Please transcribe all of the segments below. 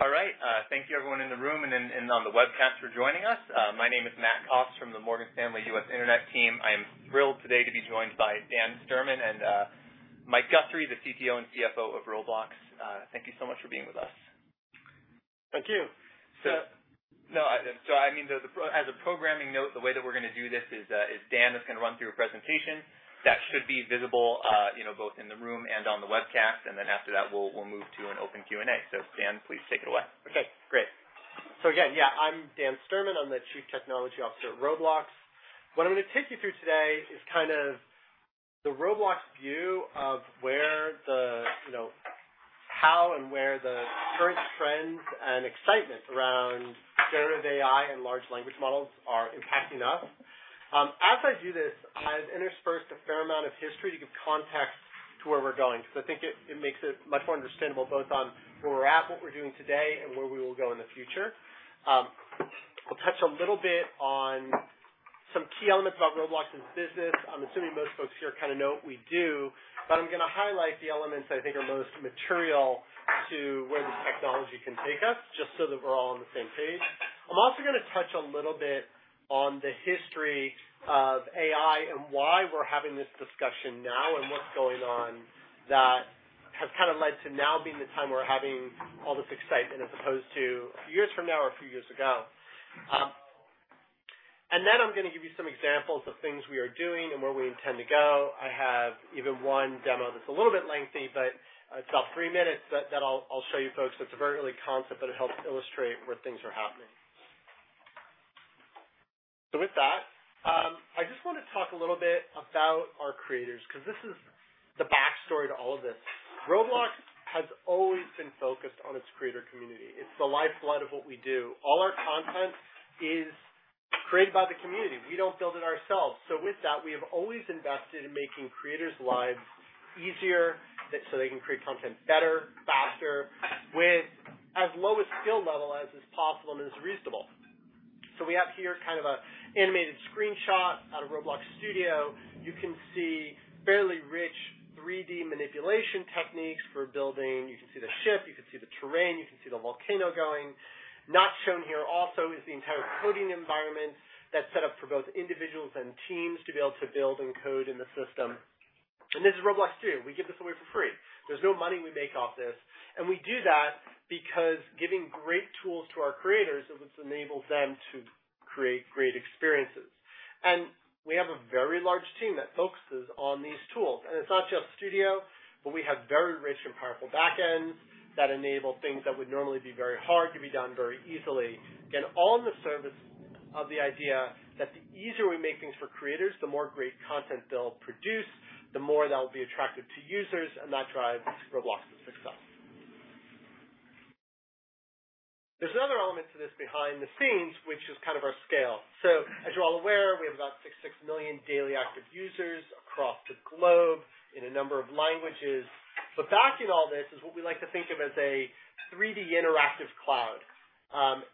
All right, thank you everyone in the room and on the webcast for joining us. My name is Matthew Cost from the Morgan Stanley US Internet team. I am thrilled today to be joined by Dan Sturman and Mike Guthrie, the CTO and CFO of Roblox. Thank you so much for being with us. Thank you. I mean, as a programming note, the way that we're going to do this is Dan is going to run through a presentation that should be visible, you know, both in the room and on the webcast, and then after that, we'll move to an open Q&A. Dan, please take it away. Okay, great. Again, yeah, I'm Dan Sturman. I'm the Chief Technology Officer at Roblox. What I'm going to take you through today is kind of the Roblox view of where the, you know, how and where the current trends and excitement around generative AI and Large Language Models are impacting us. As I do this, I've interspersed a fair amount of history to give context to where we're going, because I think it makes it much more understandable both on where we're at, what we're doing today, and where we will go in the future. I'll touch a little bit on some key elements about Roblox's business. I'm assuming most folks here kind of know what we do, but I'm going to highlight the elements I think are most material to where this technology can take us, just so that we're all on the same page. I'm also going to touch a little bit on the history of AI and why we're having this discussion now, and what's going on that has kind of led to now being the time we're having all this excitement, as opposed to a few years from now or a few years ago. I'm going to give you some examples of things we are doing and where we intend to go. I have even one demo that's a little bit lengthy, but it's about three minutes. I'll show you folks. It's a very early concept, but it helps illustrate where things are happening. With that, I just want to talk a little bit about our creators, because this is the backstory to all of this. Roblox has always been focused on its creator community. It's the lifeblood of what we do. All our content is created by the community. We don't build it ourselves. With that, we have always invested in making creators' lives easier, so they can create content better, faster, with as low a skill level as is possible and is reasonable. We have here kind of a animated screenshot out of Roblox Studio. You can see fairly rich 3D manipulation techniques for building. You can see the ship, you can see the terrain, you can see the volcano going. Not shown here also is the entire coding environment that's set up for both individuals and teams to be able to build and code in the system. This is Roblox Studio. We give this away for free. There's no money we make off this, and we do that because giving great tools to our creators is what enables them to create great experiences. We have a very large team that focuses on these tools, and it's not just Studio, but we have very rich and powerful back ends that enable things that would normally be very hard to be done very easily. Again, all in the service of the idea that the easier we make things for creators, the more great content they'll produce, the more that will be attractive to users, and that drives Roblox's success. There's another element to this behind the scenes, which is kind of our scale. As you're all aware, we have about six million daily active users across the globe in a number of languages. Backing all this is what we like to think of as a 3D interactive cloud.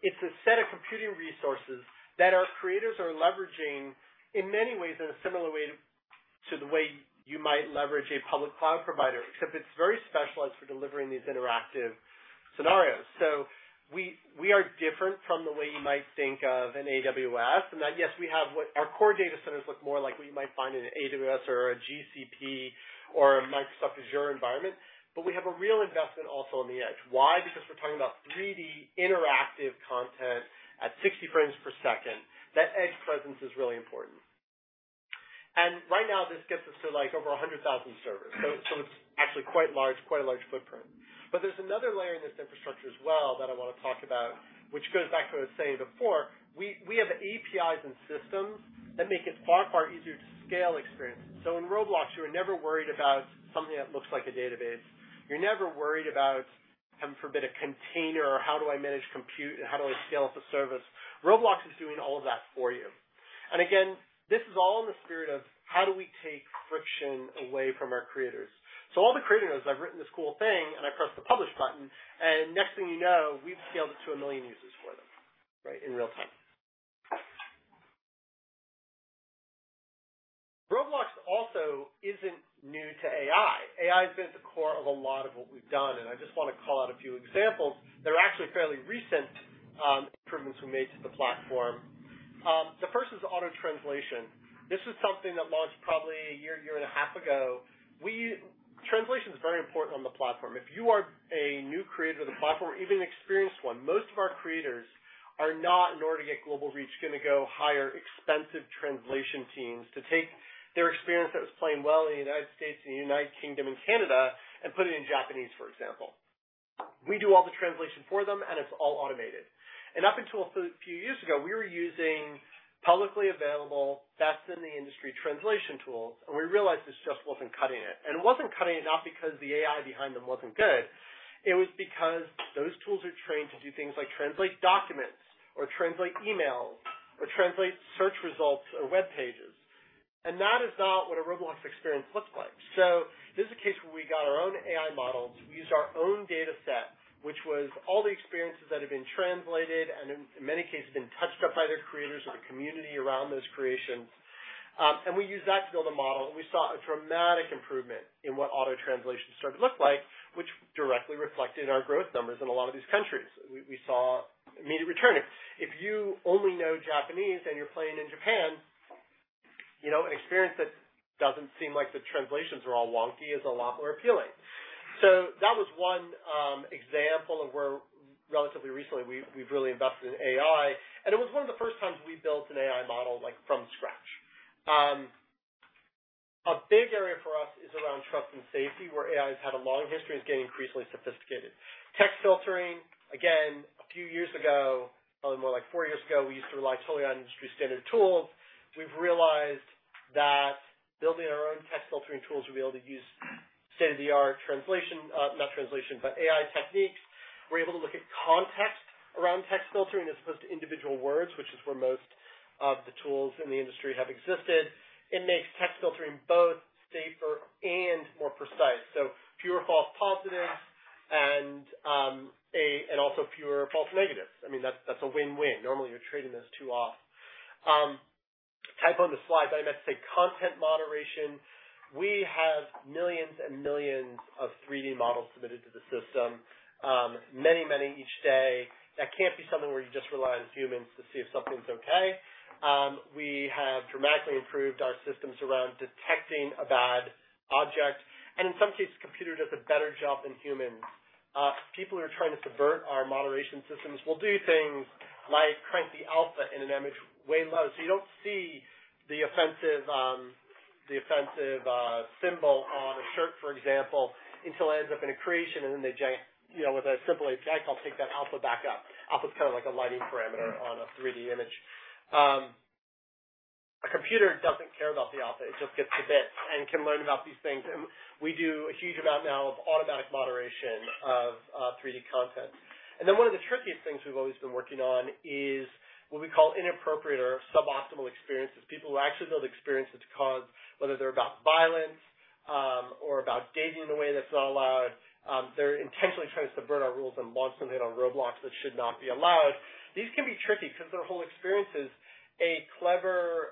It's a set of computing resources that our creators are leveraging in many ways, in a similar way to the way you might leverage a public cloud provider, except it's very specialized for delivering these interactive scenarios. We are different from the way you might think of an AWS, and that, yes, we have our core data centers look more like what you might find in an AWS or a GCP or a Microsoft Azure environment, but we have a real investment also on the Edge. Why? Because we're talking about 3D interactive content at 60 frames per second. That Edge presence is really important. Right now, this gets us to, like, over 100,000 servers. It's actually quite large, quite a large footprint. There's another layer in this infrastructure as well that I want to talk about, which goes back to what I was saying before. We have APIs and systems that make it far, far easier to scale experiences. In Roblox, you are never worried about something that looks like a database. You're never worried about, heaven forbid, a container or how do I manage compute, how do I scale up a service? Roblox is doing all of that for you. Again, this is all in the spirit of how do we take friction away from our creators? All the creator knows, I've written this cool thing, and I press the Publish button, and next thing you know, we've scaled it to 1 million users for them, right, in real time. Roblox also isn't new to AI. AI has been at the core of a lot of what we've done. I just want to call out a few examples that are actually fairly recent improvements we made to the platform. The first is auto translation. This is something that launched probably a year and a half ago. Translation is very important on the platform. If you are a new creator to the platform, or even an experienced one, most of our creators are not, in order to get global reach, going to go hire expensive translation teams to take their experience that was playing well in the United States and United Kingdom and Canada and put it in Japanese, for example. We do all the translation for them, and it's all automated. Up until a few years ago, we were using publicly available, best in the industry translation tools, and we realized this just wasn't cutting it. It wasn't cutting it, not because the AI behind them wasn't good, it was because those tools are trained to do things like translate documents or translate emails, or translate search results or web pages. That is not what a Roblox experience looks like. This is a case where we got our own AI models. We used our own data set, which was all the experiences that had been translated and in many cases, been touched up by their creators or the community around those creations. We use that to build a model, and we saw a dramatic improvement in what auto translation started to look like, which directly reflected in our growth numbers in a lot of these countries. We saw immediate return. If you only know Japanese and you're playing in Japan, you know, an experience that doesn't seem like the translations are all wonky is a lot more appealing. That was one example of where relatively recently, we've really invested in AI, and it was one of the first times we built an AI model, like, from scratch. A big area for us is around trust and safety, where AI has had a long history and is getting increasingly sophisticated. Text filtering, again, a few years ago, probably more like four years ago, we used to rely totally on industry-standard tools. We've realized that building our own text filtering tools, we'll be able to use state-of-the-art translation, not translation, but AI techniques. We're able to look at context around text filtering as opposed to individual words, which is where most of the tools in the industry have existed. It makes text filtering both safer and more precise, fewer false positives and also fewer false negatives. I mean, that's a win-win. Normally, you're trading those two off. Typed on the slide, I meant to say content moderation. We have millions and millions of 3D models submitted to the system, many, many each day. That can't be something where you just rely on humans to see if something's okay. We have dramatically improved our systems around detecting a bad object, in some cases, the computer does a better job than humans. People who are trying to subvert our moderation systems will do things like crank the alpha in an image way low, so you don't see the offensive symbol on a shirt, for example, until it ends up in a creation, and then with a simple I think, I'll take that alpha back up. Alpha's kind of like a lighting parameter on a 3D image. A computer doesn't care about the alpha, it just gets the bits and can learn about these things. We do a huge amount now of automatic moderation of 3D content. One of the trickiest things we've always been working on is what we call inappropriate or suboptimal experiences. People who actually build experiences to cause, whether they're about violence, or about gaming in a way that's not allowed. They're intentionally trying to subvert our rules and launch something on Roblox that should not be allowed. These can be tricky because their whole experience is a clever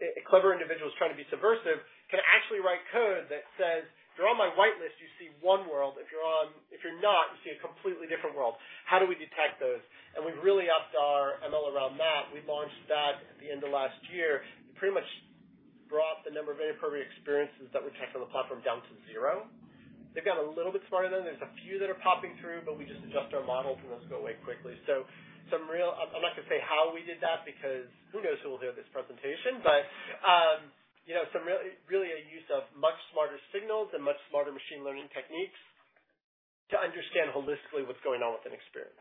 individual who's trying to be subversive can actually write code that says, If you're on my whitelist, you see one world. If you're not, you see a completely different world. How do we detect those? We've really upped our ML around that. We launched that at the end of last year. It pretty much brought the number of inappropriate experiences that we detect on the platform down to zero. They've gotten a little bit smarter, though. There's a few that are popping through, but we just adjust our models, and those go away quickly. I'm not going to say how we did that because who knows who will hear this presentation, but, you know, some really a use of much smarter signals and much smarter machine learning techniques to understand holistically what's going on with an experience.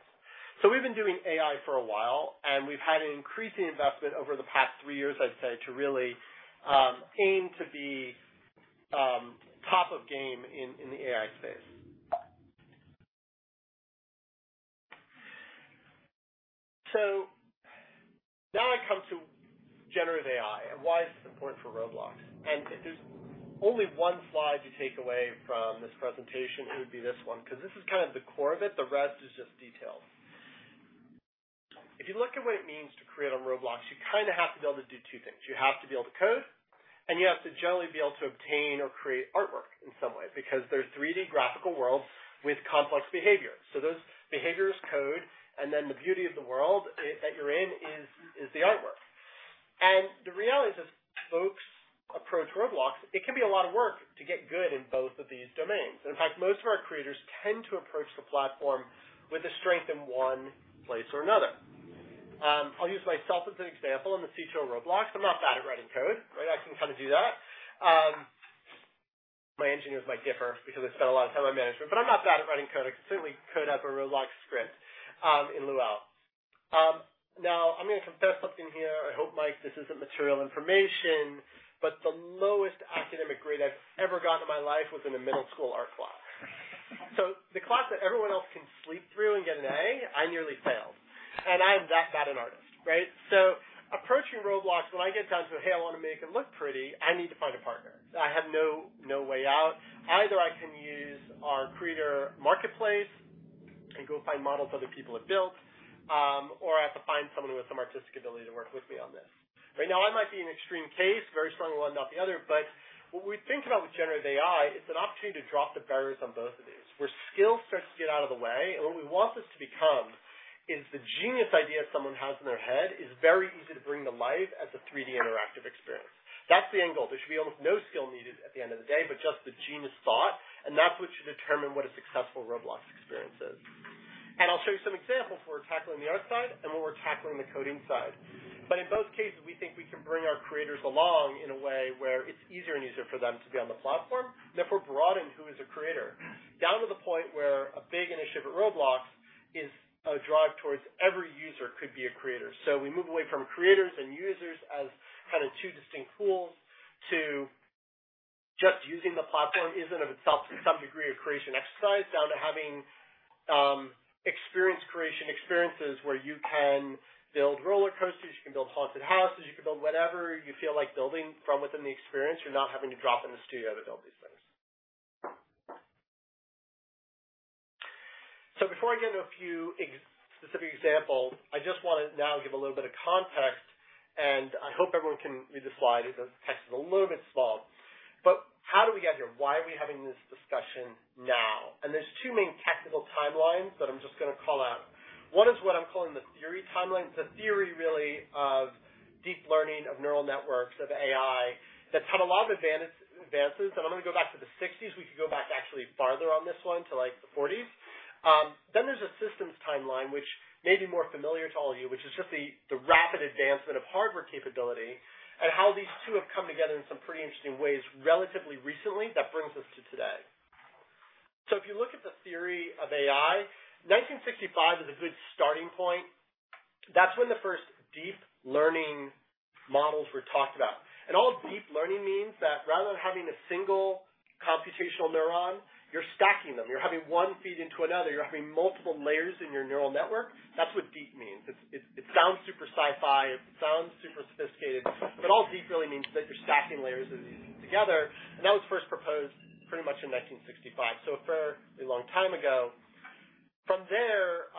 We've been doing AI for a while, and we've had an increasing investment over the past 3 years, I'd say, to really aim to be top of game in the AI space. Now I come to generative AI and why it's important for Roblox. If there's only one slide to take away from this presentation, it would be this one, because this is kind of the core of it. The rest is just details. If you look at what it means to create on Roblox, you kind of have to be able to do two things. You have to be able to code, and you have to generally be able to obtain or create artwork in some way, because they're 3D graphical worlds with complex behavior. Those behaviors code, and then the beauty of the world that you're in is the artwork. The reality is, as folks approach Roblox, it can be a lot of work to get good in both of these domains. In fact, most of our creators tend to approach the platform with a strength in one place or another. I'll use myself as an example. I'm the CTO of Roblox. I'm not bad at writing code. Right? I can kind of do that. My engineers might differ because I spent a lot of time on management, but I'm not bad at writing code. I can certainly code up a Roblox script in Lua. Now, I'm going to confess something here. I hope, Mike, this isn't material information, but the lowest academic grade I've ever gotten in my life was in a middle school art class. The class that everyone else can sleep through and get an A, I nearly failed, and I am that bad an artist, right? Approaching Roblox, when I get down to, Hey, I want to make it look pretty, I need to find a partner. I have no way out. Either I can use our creator marketplace and go find models other people have built, or I have to find someone with some artistic ability to work with me on this. Right now, I might be an extreme case, very strong in one, not the other, but what we think about with generative AI, it's an opportunity to drop the barriers on both of these, where skill starts to get out of the way, and what we want this to become is the genius idea someone has in their head is very easy to bring to life as a 3D interactive experience. That's the end goal. There should be almost no skill needed at the end of the day, but just the genius thought, and that's what should determine what a successful Roblox experience is. I'll show you some examples where we're tackling the art side and where we're tackling the coding side. In both cases, we think we can bring our creators along in a way where it's easier and easier for them to be on the platform, and therefore broadening who is a creator, down to the point where a big initiative at Roblox is a drive towards every user could be a creator. We move away from creators and users as kind of two distinct pools to just using the platform is in of itself some degree of creation exercise, down to having experience creation, experiences where you can build roller coasters, you can build haunted houses, you can build whatever you feel like building from within the experience. You're not having to drop in Roblox Studio to build these things. Before I get into a few specific examples, I just want to now give a little bit of context, and I hope everyone can read the slide. The text is a little bit small. How did we get here? Why are we having this discussion now? There's two main technical timelines that I'm just going to call out. One is what I'm calling the theory timeline. It's a theory, really, of deep learning, of neural networks, of AI, that's had a lot of advances, and I'm going to go back to the 1960s. We could go back actually farther on this one to, like, the 1940s. There's a systems timeline, which may be more familiar to all of you, which is just the rapid advancement of hardware capability and how these two have come together in some pretty interesting ways relatively recently that brings us to today. If you look at the theory of AI, 1965 is a good starting point. That's when the first deep learning models were talked about. All deep learning means that rather than having a single computational neuron, you're stacking them. You're having one feed into another. You're having multiple layers in your neural network. That's what deep means. It sounds super sci-fi, it sounds super sophisticated, but all deep really means is that you're stacking layers of these together, and that was first proposed pretty much in 1965, a fairly long time ago. From there,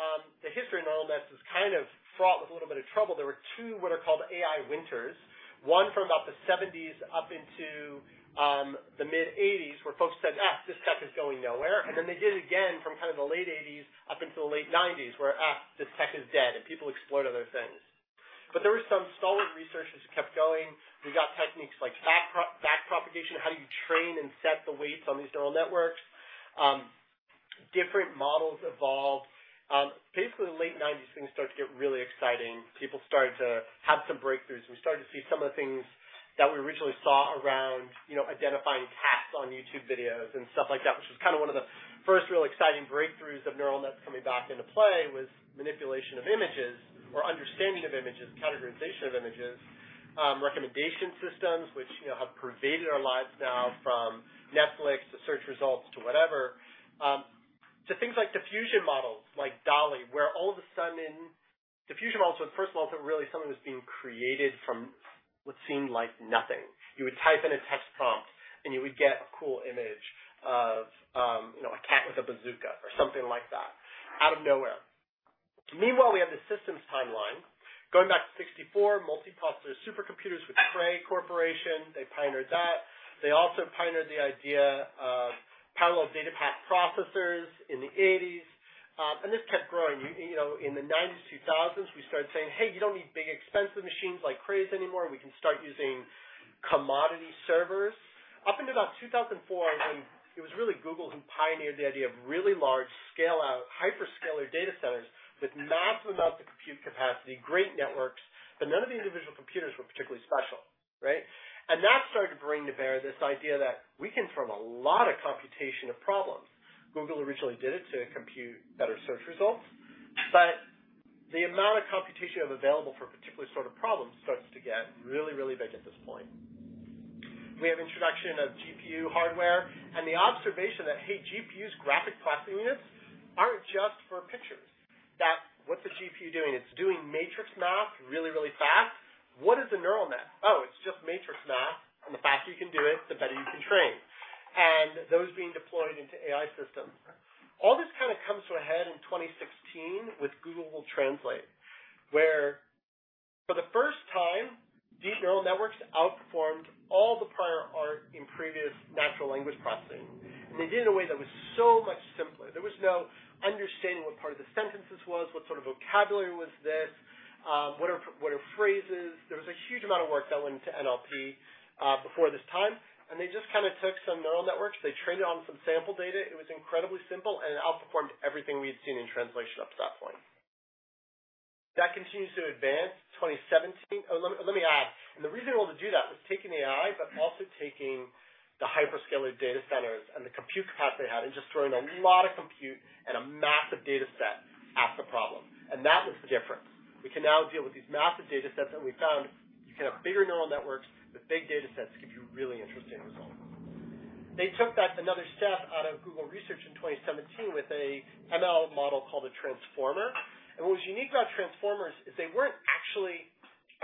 the history of neural nets is kind of fraught with a little bit of trouble. There were two what are called AI winters. One from about the 1970s up into the mid-1980s, where folks said, Ah, this tech is going nowhere. Then they did it again from kind of the late 1980s up until the late 1990s, where, Ah, this tech is dead, and people explored other things. There were some stalwart researchers who kept going. We got techniques like backpropagation, how you train and set the weights on these neural networks. Different models evolved. Basically, the late 1990s, things start to get really exciting. People started to have some breakthroughs. We started to see some of the things that we originally saw around, you know, identifying cats on YouTube videos and stuff like that, which is kind of one of the first real exciting breakthroughs of neural nets coming back into play, was manipulation of images or understanding of images, categorization of images, recommendation systems, which, you know, have pervaded our lives now, from Netflix to search results to whatever, to things like diffusion models, like DALL-E, where all of a sudden. Diffusion models were the first models that really something was being created from what seemed like nothing. You would type in a text prompt, you would get a cool image of, you know, a cat with a bazooka or something like that, out of nowhere. Meanwhile, we have the systems timeline. Going back to 1964, multiprocessor supercomputers with Cray Corporation. They pioneered that. They also pioneered the idea of parallel data path processors in the 1980s. This kept growing. You know, in the 1990s, 2000s, we started saying, Hey, you don't need big, expensive machines like Crays anymore. We can start using commodity servers. Up until about 2004, I think it was really Google who pioneered the idea of really large scale-out, hyperscaler data centers with massive amounts of compute capacity, great networks, but none of the individual computers were particularly special, right? That started to bring to bear this idea that we can throw a lot of computation at problems. Google originally did it to compute better search results. The amount of computation available for a particular sort of problem starts to get really, really big at this point. We have introduction of GPU hardware and the observation that, hey, GPUs, graphic processing units, aren't just for pictures. That what's a GPU doing? It's doing matrix math really, really fast. What is a neural net? Oh, it's just matrix math, and the faster you can do it, the better you can train. Those being deployed into AI systems. All this kind of comes to a head in 2016 with Google Translate, where for the first time, deep neural networks outperformed all the prior art in previous natural language processing. They did it in a way that was so much simpler. There was no understanding what part of the sentences was, what sort of vocabulary was this, what are phrases? There was a huge amount of work that went into NLP before this time, and they just kind of took some neural networks. They trained it on some sample data. It was incredibly simple and outperformed everything we'd seen in translation up to that point. That continues to advance 2017. Let me add, the reason we're able to do that was taking AI, but also taking the hyperscaler data centers and the compute capacity they had and just throwing a lot of compute and a massive data set at the problem, and that was different. We can now deal with these massive data sets, and we found you can have bigger neural networks with big data sets, give you really interesting results. They took that another step out of Google Research in 2017 with a ML model called a transformer. What was unique about transformers is they weren't actually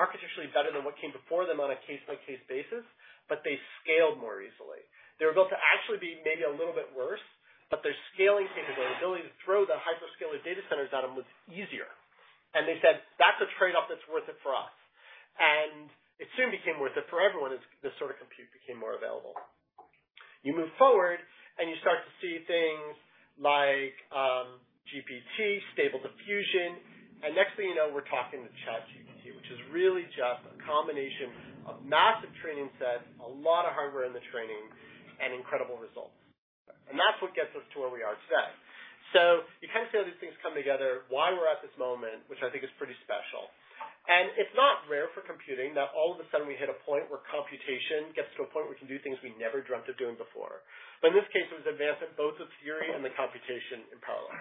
architecturally better than what came before them on a case-by-case basis, but they scaled more easily. They were built to actually be maybe a little bit worse, but their scaling capabilities, the ability to throw the hyperscaler data centers at them, was easier. They said, That's a trade-off that's worth it for us. It soon became worth it for everyone as this sort of compute became more available. You move forward, and you start to see things like GPT, Stable Diffusion, next thing you know, we're talking with ChatGPT, which is really just a combination of massive training sets, a lot of hardware in the training, and incredible results. That's what gets us to where we are today. You kind of see how these things come together, why we're at this moment, which I think is pretty special. It's not rare for computing that all of a sudden, we hit a point where computation gets to a point we can do things we never dreamt of doing before. In this case, it was advancement, both the theory and the computation in parallel.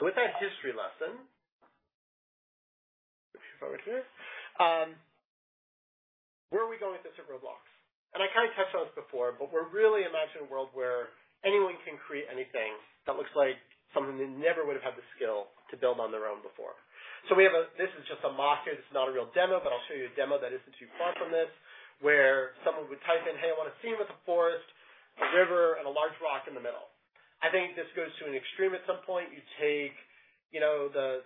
With that history lesson, let me move forward here. Where are we going with this at Roblox? I kind of touched on this before, but we're really imagining a world where anyone can create anything that looks like never would have had the skill to build on their own before. We have this is just a mock here. This is not a real demo, but I'll show you a demo that isn't too far from this, where someone would type in, Hey, I want a scene with a forest, a river, and a large rock in the middle. I think this goes to an extreme at some point. You take, you know, the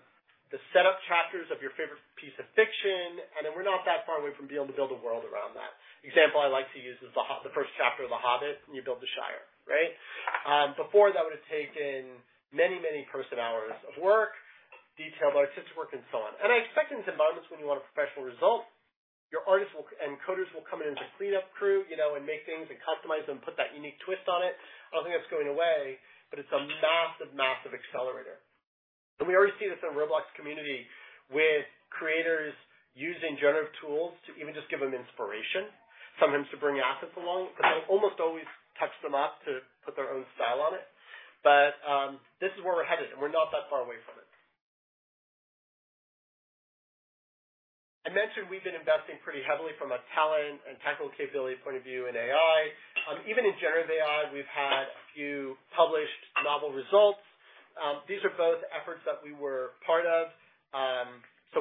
setup chapters of your favorite piece of fiction, and then we're not that far away from being able to build a world around that. The example I like to use is the first chapter of The Hobbit, and you build the Shire, right? Before, that would have taken many, many person-hours of work, detail by artist work, and so on. I expect in some moments when you want a professional result, your artists will, and coders will come in as a cleanup crew, you know, and make things and customize them, put that unique twist on it. I don't think that's going away, but it's a massive accelerator. We already see this in Roblox community, with creators using generative tools to even just give them inspiration, sometimes to bring assets along, but they almost always touch them up to put their own style on it. This is where we're headed, and we're not that far away from it. I mentioned we've been investing pretty heavily from a talent and technical capability point of view in AI. Even in generative AI, we've had a few published novel results. These are both efforts that we were part of.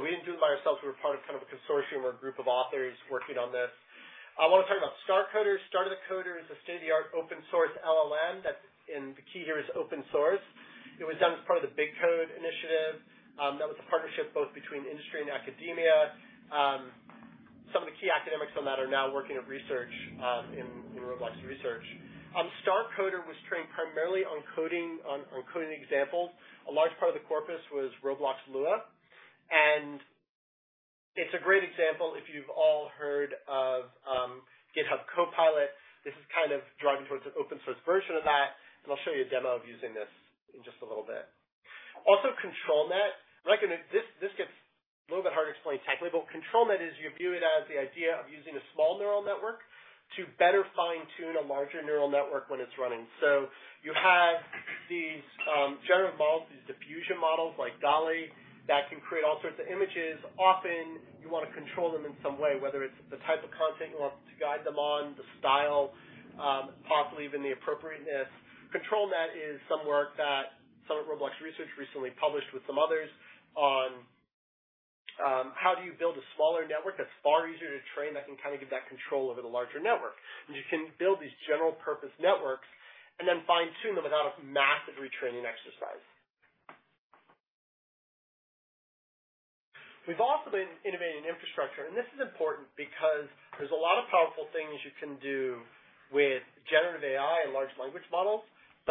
We didn't do it by ourselves. We were part of kind of a consortium or a group of authors working on this. I want to talk about StarCoder. StarCoder is a state-of-the-art open source LLM. The key here is open source. It was done as part of the BigCode initiative. That was a partnership both between industry and academia. Some of the key academics on that are now working at research in Roblox Research. StarCoder was trained primarily on coding, on coding examples. A large part of the corpus was Roblox Lua. It's a great example if you've all heard of GitHub Copilot. This is kind of driving towards an open-source version of that. I'll show you a demo of using this in just a little bit. Also, ControlNet. This gets a little bit hard to explain technically. ControlNet is you view it as the idea of using a small neural network to better fine-tune a larger neural network when it's running. You have these generative models, these diffusion models like DALL-E, that can create all sorts of images. Often, you want to control them in some way, whether it's the type of content you want to guide them on, the style, possibly even the appropriateness. ControlNet is some work that some of Roblox Research recently published with some others on how do you build a smaller network that's far easier to train, that can kind of give that control over the larger network? You can build these general-purpose networks and then fine-tune them without a massive retraining exercise. We've also been innovating infrastructure. This is important because there's a lot of powerful things you can do with generative AI and Large Language Models.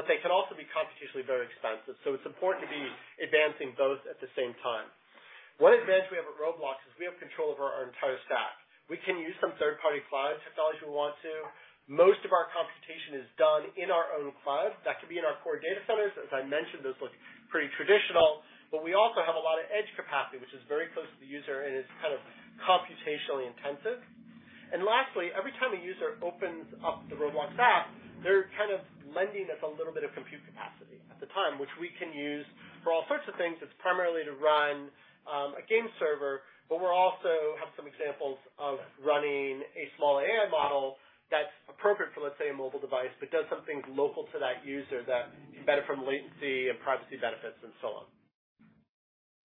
They can also be computationally very expensive. It's important to be advancing both at the same time. One advantage we have at Roblox is we have control over our entire stack. We can use some third-party cloud technologies if we want to. Most of our computation is done in our own cloud. That could be in our core data centers. As I mentioned, those look pretty traditional. We also have a lot of edge capacity, which is very close to the user and is kind of computationally intensive. Lastly, every time a user opens up the Roblox app, they're kind of lending us a little bit of compute capacity at the time, which we can use for all sorts of things. It's primarily to run a game server, but we also have some examples of running a small AI model that's appropriate for, let's say, a mobile device, but does some things local to that user that benefit from latency and privacy benefits, and so on.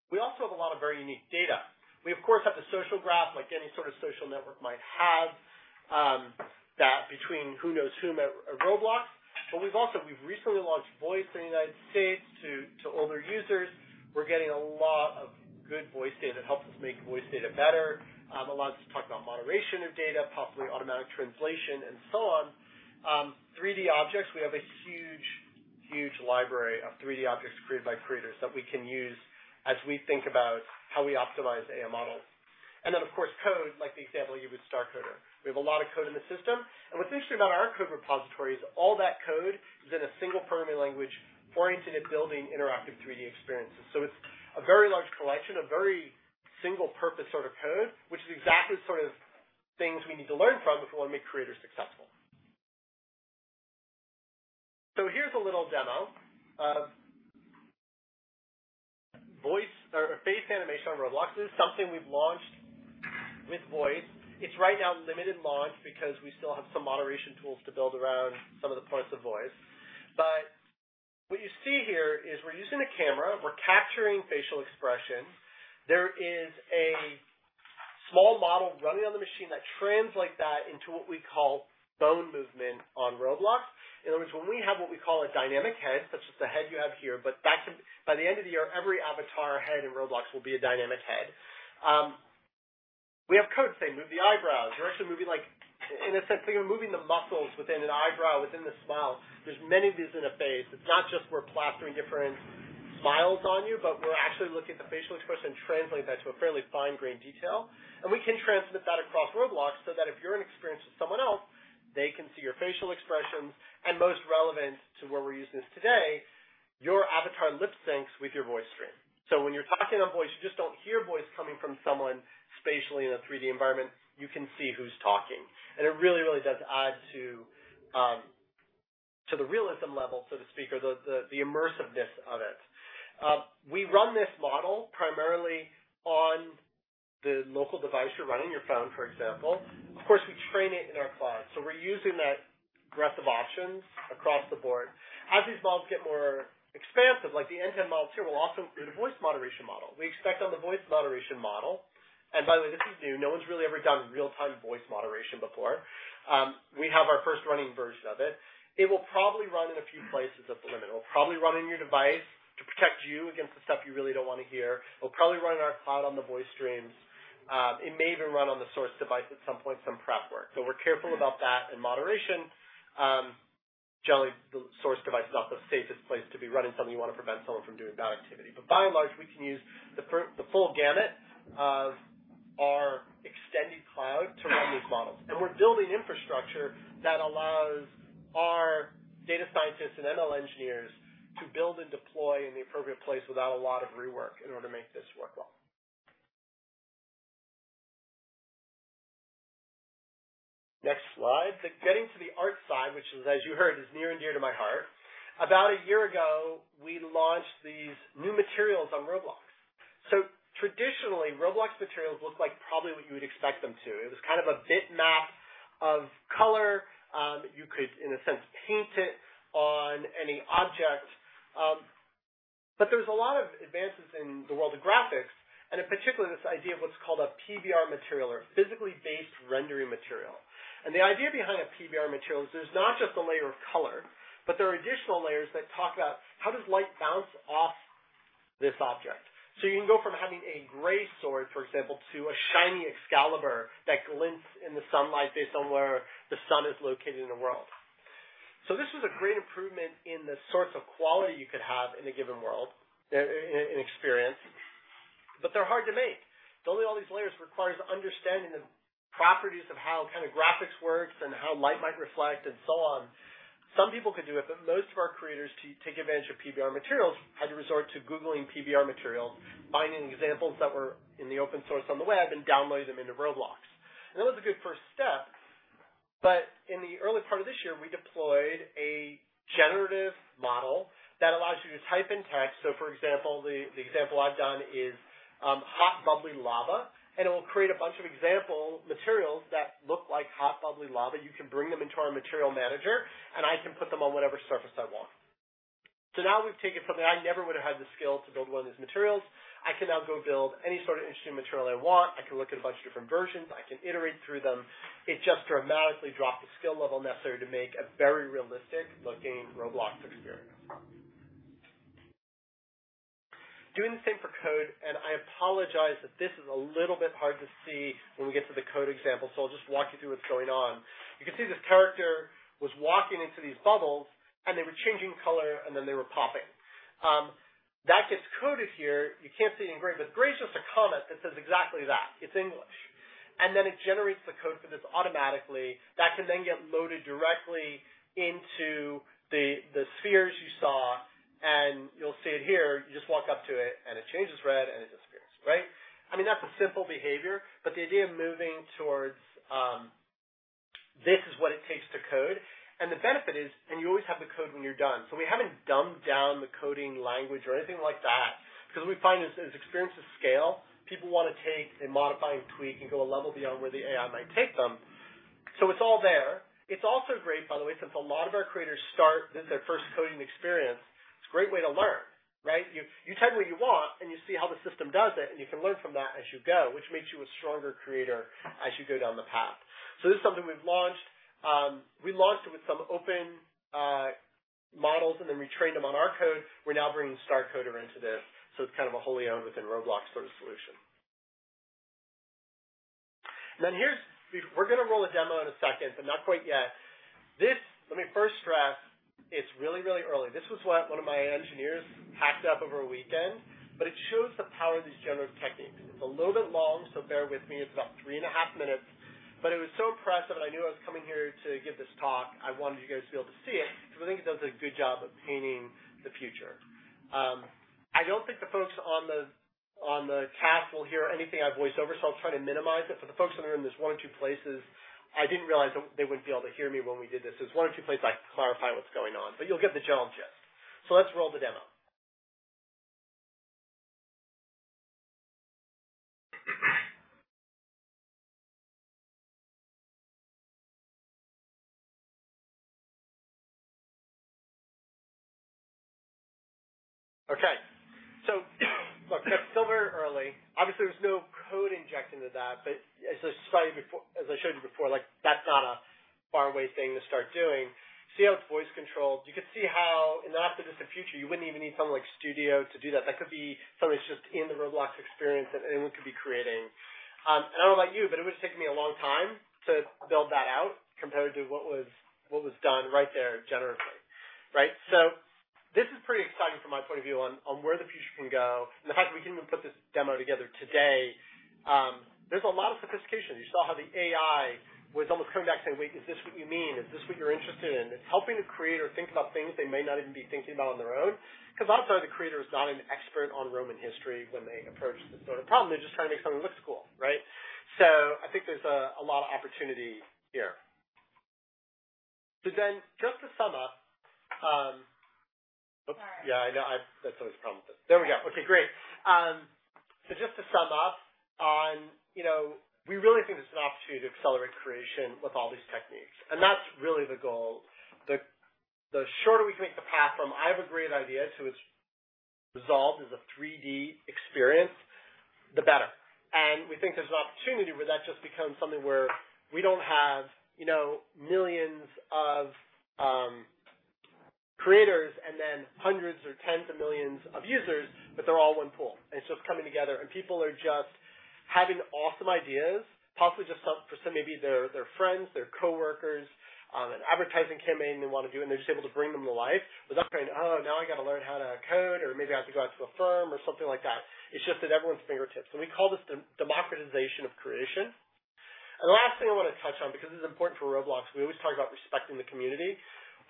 We also have a lot of very unique data. We, of course, have the social graph, like any sort of social network might have, that between who knows whom at Roblox. We've also, we've recently launched Voice in the United States to older users. We're getting a lot of good voice data that helps us make voice data better. Allows us to talk about moderation of data, possibly automatic translation, and so on. 3D objects, we have a huge library of 3D objects created by creators that we can use as we think about how we optimize AI models. Of course, code, like the example I gave you with StarCoder. We have a lot of code in the system, and what's interesting about our code repository is all that code is in a single programming language oriented at building interactive 3D experiences. It's a very large collection, a very single-purpose sort of code, which is exactly the sort of things we need to learn from if we want to make creators successful. Here's a little demo of voice or face animation on Roblox. This is something we've launched with Voice. It's right now in limited launch because we still have some moderation tools to build around some of the parts of Voice. What you see here is we're using a camera, we're capturing facial expression. There is a small model running on the machine that translates that into what we call bone movement on Roblox. In other words, when we have what we call a dynamic head, such as the head you have here, by the end of the year, every avatar head in Roblox will be a dynamic head. We have code to say, move the eyebrows. We're actually moving, like, in a sense, so you're moving the muscles within an eyebrow, within the smile. There's many of these in a face. It's not just we're plastering different smiles on you, but we're actually looking at the facial expression and translating that to a fairly fine-grained detail. We can transmit that across Roblox, so that if you're in an experience with someone else, they can see your facial expressions, and most relevant to where we're using this today, your avatar lip syncs with your Voice stream. When you're talking on Voice, you just don't hear voice coming from someone spatially in a 3D environment, you can see who's talking. It really does add to the realism level, so to speak, or the immersiveness of it. We run this model primarily on the local device you're running, your phone, for example. Of course, we train it in our cloud. We're using that aggressive options across the board. As these models get more expansive, like the anti-model 2 will also be the voice moderation model. We expect on the voice moderation model, and by the way, this is new. No one's really ever done real-time voice moderation before. We have our first running version of it. It will probably run in a few places at the limit. It'll probably run in your device to protect you against the stuff you really don't want to hear. It'll probably run in our cloud on the voice streams. It may even run on the source device at some point, some prep work. We're careful about that in moderation. Generally, the source device is not the safest place to be running something you want to prevent someone from doing bad activity. By and large, we can use the full gamut of our extended cloud to run these models. We're building infrastructure that allows our data scientists and ML engineers to build and deploy in the appropriate place without a lot of rework in order to make this work well. Next slide. The getting to the art side, which is, as you heard, is near and dear to my heart. About a year ago, we launched these new materials on Roblox. Traditionally, Roblox materials look like probably what you would expect them to. It was kind of a bitmap of color. You could, in a sense, paint it on any object. There's a lot of advances in the world of graphics, and in particular, this idea of what's called a PBR material or physically based rendering material. The idea behind a PBR material is there's not just a layer of color, but there are additional layers that talk about how does light bounce off this object. You can go from having a gray sword, for example, to a shiny Excalibur that glints in the sunlight based on where the sun is located in the world. This is a great improvement in the sorts of quality you could have in a given world, in experience, but they're hard to make. Building all these layers requires understanding the properties of how kind of graphics works and how light might reflect and so on. Some people could do it, but most of our creators to take advantage of PBR materials, had to resort to googling PBR material, finding examples that were in the open source on the web, and downloading them into Roblox. That was a good first step, but in the early part of this year, we deployed a generative model that allows you to type in text. For example, the example I've done is hot, bubbly lava, and it will create a bunch of example materials that look like hot, bubbly lava. You can bring them into our material manager, and I can put them on whatever surface I want. Now we've taken something I never would have had the skill to build one of these materials. I can now go build any sort of interesting material I want. I can look at a bunch of different versions. I can iterate through them. It just dramatically dropped the skill level necessary to make a very realistic-looking Roblox experience. Doing the same for code. I apologize that this is a little bit hard to see when we get to the code example. I'll just walk you through what's going on. You can see this character was walking into these bubbles. They were changing color. They were popping. That gets coded here. You can't see it in gray. Gray is just a comment that says exactly that. It's English. It generates the code for this automatically. That can then get loaded directly into the spheres you saw. You'll see it here. You just walk up to it. It changes red. It disappears, right? I mean, that's a simple behavior. The idea of moving towards this is what it takes to code. The benefit is, you always have the code when you're done. We haven't dumbed down the coding language or anything like that, because we find as experiences scale, people want to take and modify and tweak and go a level beyond where the AI might take them. It's all there. It's also great, by the way, since a lot of our creators start, this is their first coding experience, it's a great way to learn, right? You type what you want, and you see how the system does it, and you can learn from that as you go, which makes you a stronger creator as you go down the path. This is something we've launched. We launched it with some open models, and then we trained them on our code. We're now bringing StarCoder into this, so it's kind of a wholly owned within Roblox sort of solution. We're going to roll a demo in a second, not quite yet. This, let me first stress, it's really, really early. This was what one of my engineers hacked up over a weekend, it shows the power of these generative techniques. It's a little bit long, bear with me. It's about three and a half minutes, it was so impressive, I knew I was coming here to give this talk. I wanted you guys to be able to see it because I think it does a good job of painting the future. I don't think the folks on the cast will hear anything I voice over, I'll try to minimize it. For the folks that are in these one or two places, I didn't realize that they wouldn't be able to hear me when we did this. There's one or two places I clarify what's going on, but you'll get the general gist. Let's roll the demo. Okay. Look, still very early. Obviously, there's no code injected into that, but as I showed you before, like, that's not a far away thing to start doing. See how it's voice-controlled. You can see how in the not-so-distant future, you wouldn't even need something like Studio to do that. That could be somebody's just in the Roblox experience, and anyone could be creating. I don't know about you, but it would have taken me a long time to build that out compared to what was done right there generatively, right? This is pretty exciting from my point of view on where the future can go. The fact that we can even put this demo together today, there's a lot of sophistication. You saw how the AI was almost coming back and saying: Wait, is this what you mean? Is this what you're interested in? It's helping the creator think about things they may not even be thinking about on their own. Because odds are the creator is not an expert on Roman history when they approach this sort of problem. They're just trying to make something that looks cool, right? I think there's a lot of opportunity here. Just to sum up, oops. Yeah, I know. That's always a problem with this. There we go. Okay, great. Just to sum up on, you know, we really think this is an opportunity to accelerate creation with all these techniques, and that's really the goal. The shorter we can make the path from I have a great idea to it's resolved as a 3D experience, the better. We think there's an opportunity where that just becomes something where we don't have, you know, millions of creators and then hundreds or tens of millions of users, but they're all one pool, so it's coming together. People are just having awesome ideas, possibly just some for some, maybe their friends, their coworkers, an advertising campaign they want to do, and they're just able to bring them to life without going, Oh, now I got to learn how to code, or maybe I have to go out to a firm or something like that. It's just at everyone's fingertips, and we call this democratization of creation. The last thing I want to touch on, because this is important for Roblox, we always talk about respecting the community.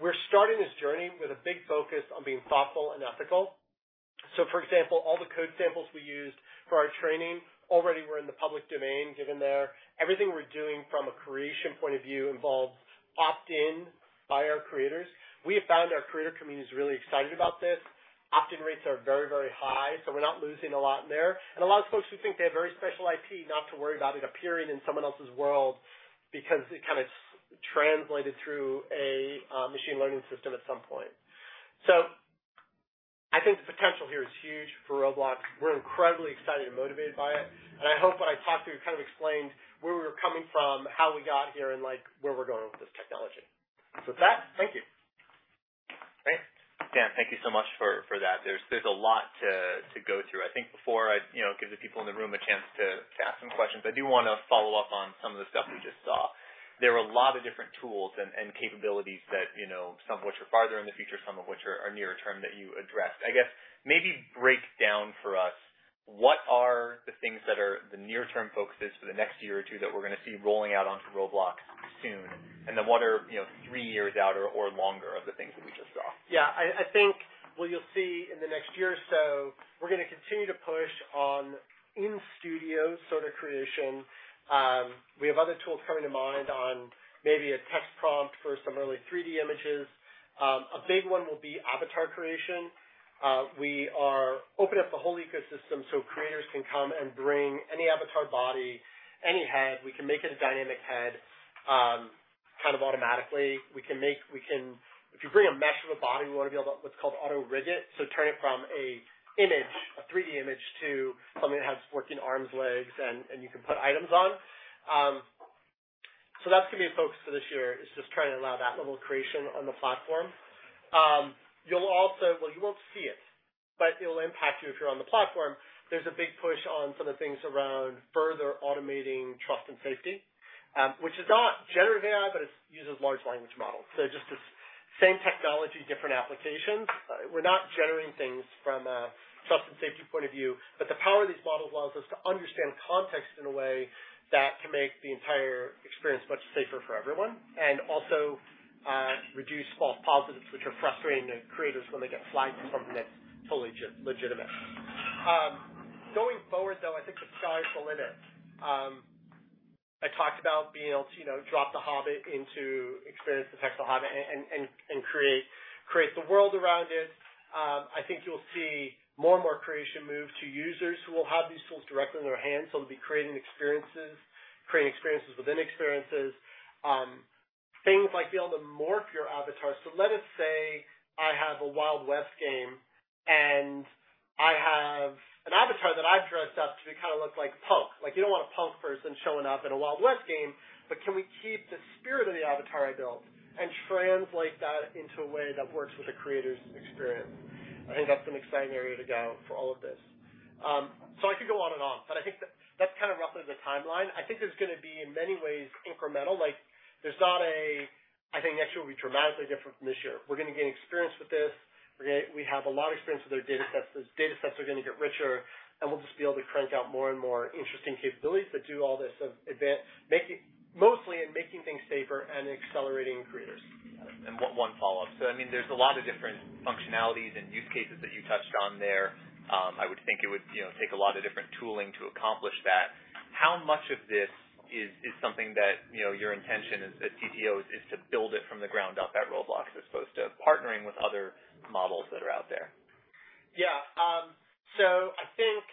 We're starting this journey with a big focus on being thoughtful and ethical. For example, all the code samples we used for our training already were in the public domain, given there. Everything we're doing from a creation point of view involves opt-in by our creators. We have found our creator community is really excited about this. Opt-in rates are very, very high, so we're not losing a lot there. A lot of folks who think they have very special IP, not to worry about it appearing in someone else's world because it kind of translated through a machine learning system at some point. I think the potential here is huge for Roblox. We're incredibly excited and motivated by it, I hope what I talked through kind of explained where we were coming from, how we got here, and, like, where we're going with this technology. With that, thank you. Great. Dan, thank you so much for that. There's a lot to go through. I think before I, you know, give the people in the room a chance to ask some questions, I do want to follow up on some of the stuff we just saw. There were a lot of different tools and capabilities that, you know, some of which are farther in the future, some of which are nearer term that you addressed. I guess maybe break down for us what are the things that are the near term focuses for the next year or two that we're going to see rolling out onto Roblox soon, and then what are, you know, three years out or longer of the things that we just saw? I think what you'll see in the next year or so, we're going to continue to push on in studio sort of creation. We have other tools coming to mind on maybe a text prompt for some early 3D images. A big one will be avatar creation. We are opening up the whole ecosystem so creators can come and bring any avatar body, any head. We can make it a dynamic head, kind of automatically. If you bring a mesh of a body, we want to be able to what's called Auto Rig. Turn it from a image, a 3D image, to something that has working arms, legs, and you can put items on. That's going to be a focus for this year, is just trying to allow that level of creation on the platform. Well, you won't see it, but it will impact you if you're on the platform. There's a big push on some of the things around further automating trust and safety, which is not generative AI, but it's uses Large Language Models. Just this same technology, different applications. We're not generating things from a trust and safety point of view, but the power of these models allows us to understand context in a way that can make the entire experience much safer for everyone, and also reduce false positives, which are frustrating to creators when they get flagged for something that's totally legitimate. Going forward, though, I think the sky's the limit. I talked about being able to, you know, drop The Hobbit into experience, and create the world around it. I think you'll see more and more creation move to users who will have these tools directly in their hands. They'll be creating experiences within experiences, things like be able to morph your avatar. Let us say I have a Wild West game, and I have an avatar that I've dressed up to be kind of look like punk. You don't want a punk person showing up in a Wild West game, but can we keep the spirit of the avatar I built, and translate that into a way that works with the creator's experience? I think that's an exciting area to go for all of this. I could go on and on, but I think that's kind of roughly the timeline. I think it's going to be, in many ways, incremental. Like, there's not, I think next year will be dramatically different from this year. We're going to gain experience with this. We have a lot of experience with our data sets. Those data sets are going to get richer, and we'll just be able to crank out more and more interesting capabilities that do all this making, mostly in making things safer and accelerating creators. One follow-up. I mean, there's a lot of different functionalities and use cases that you touched on there. I would think it would, you know, take a lot of different tooling to accomplish that. How much of this is something that, you know, your intention as CTO is to build it from the ground up at Roblox, as opposed to partnering with other models that are out there? Yeah. I think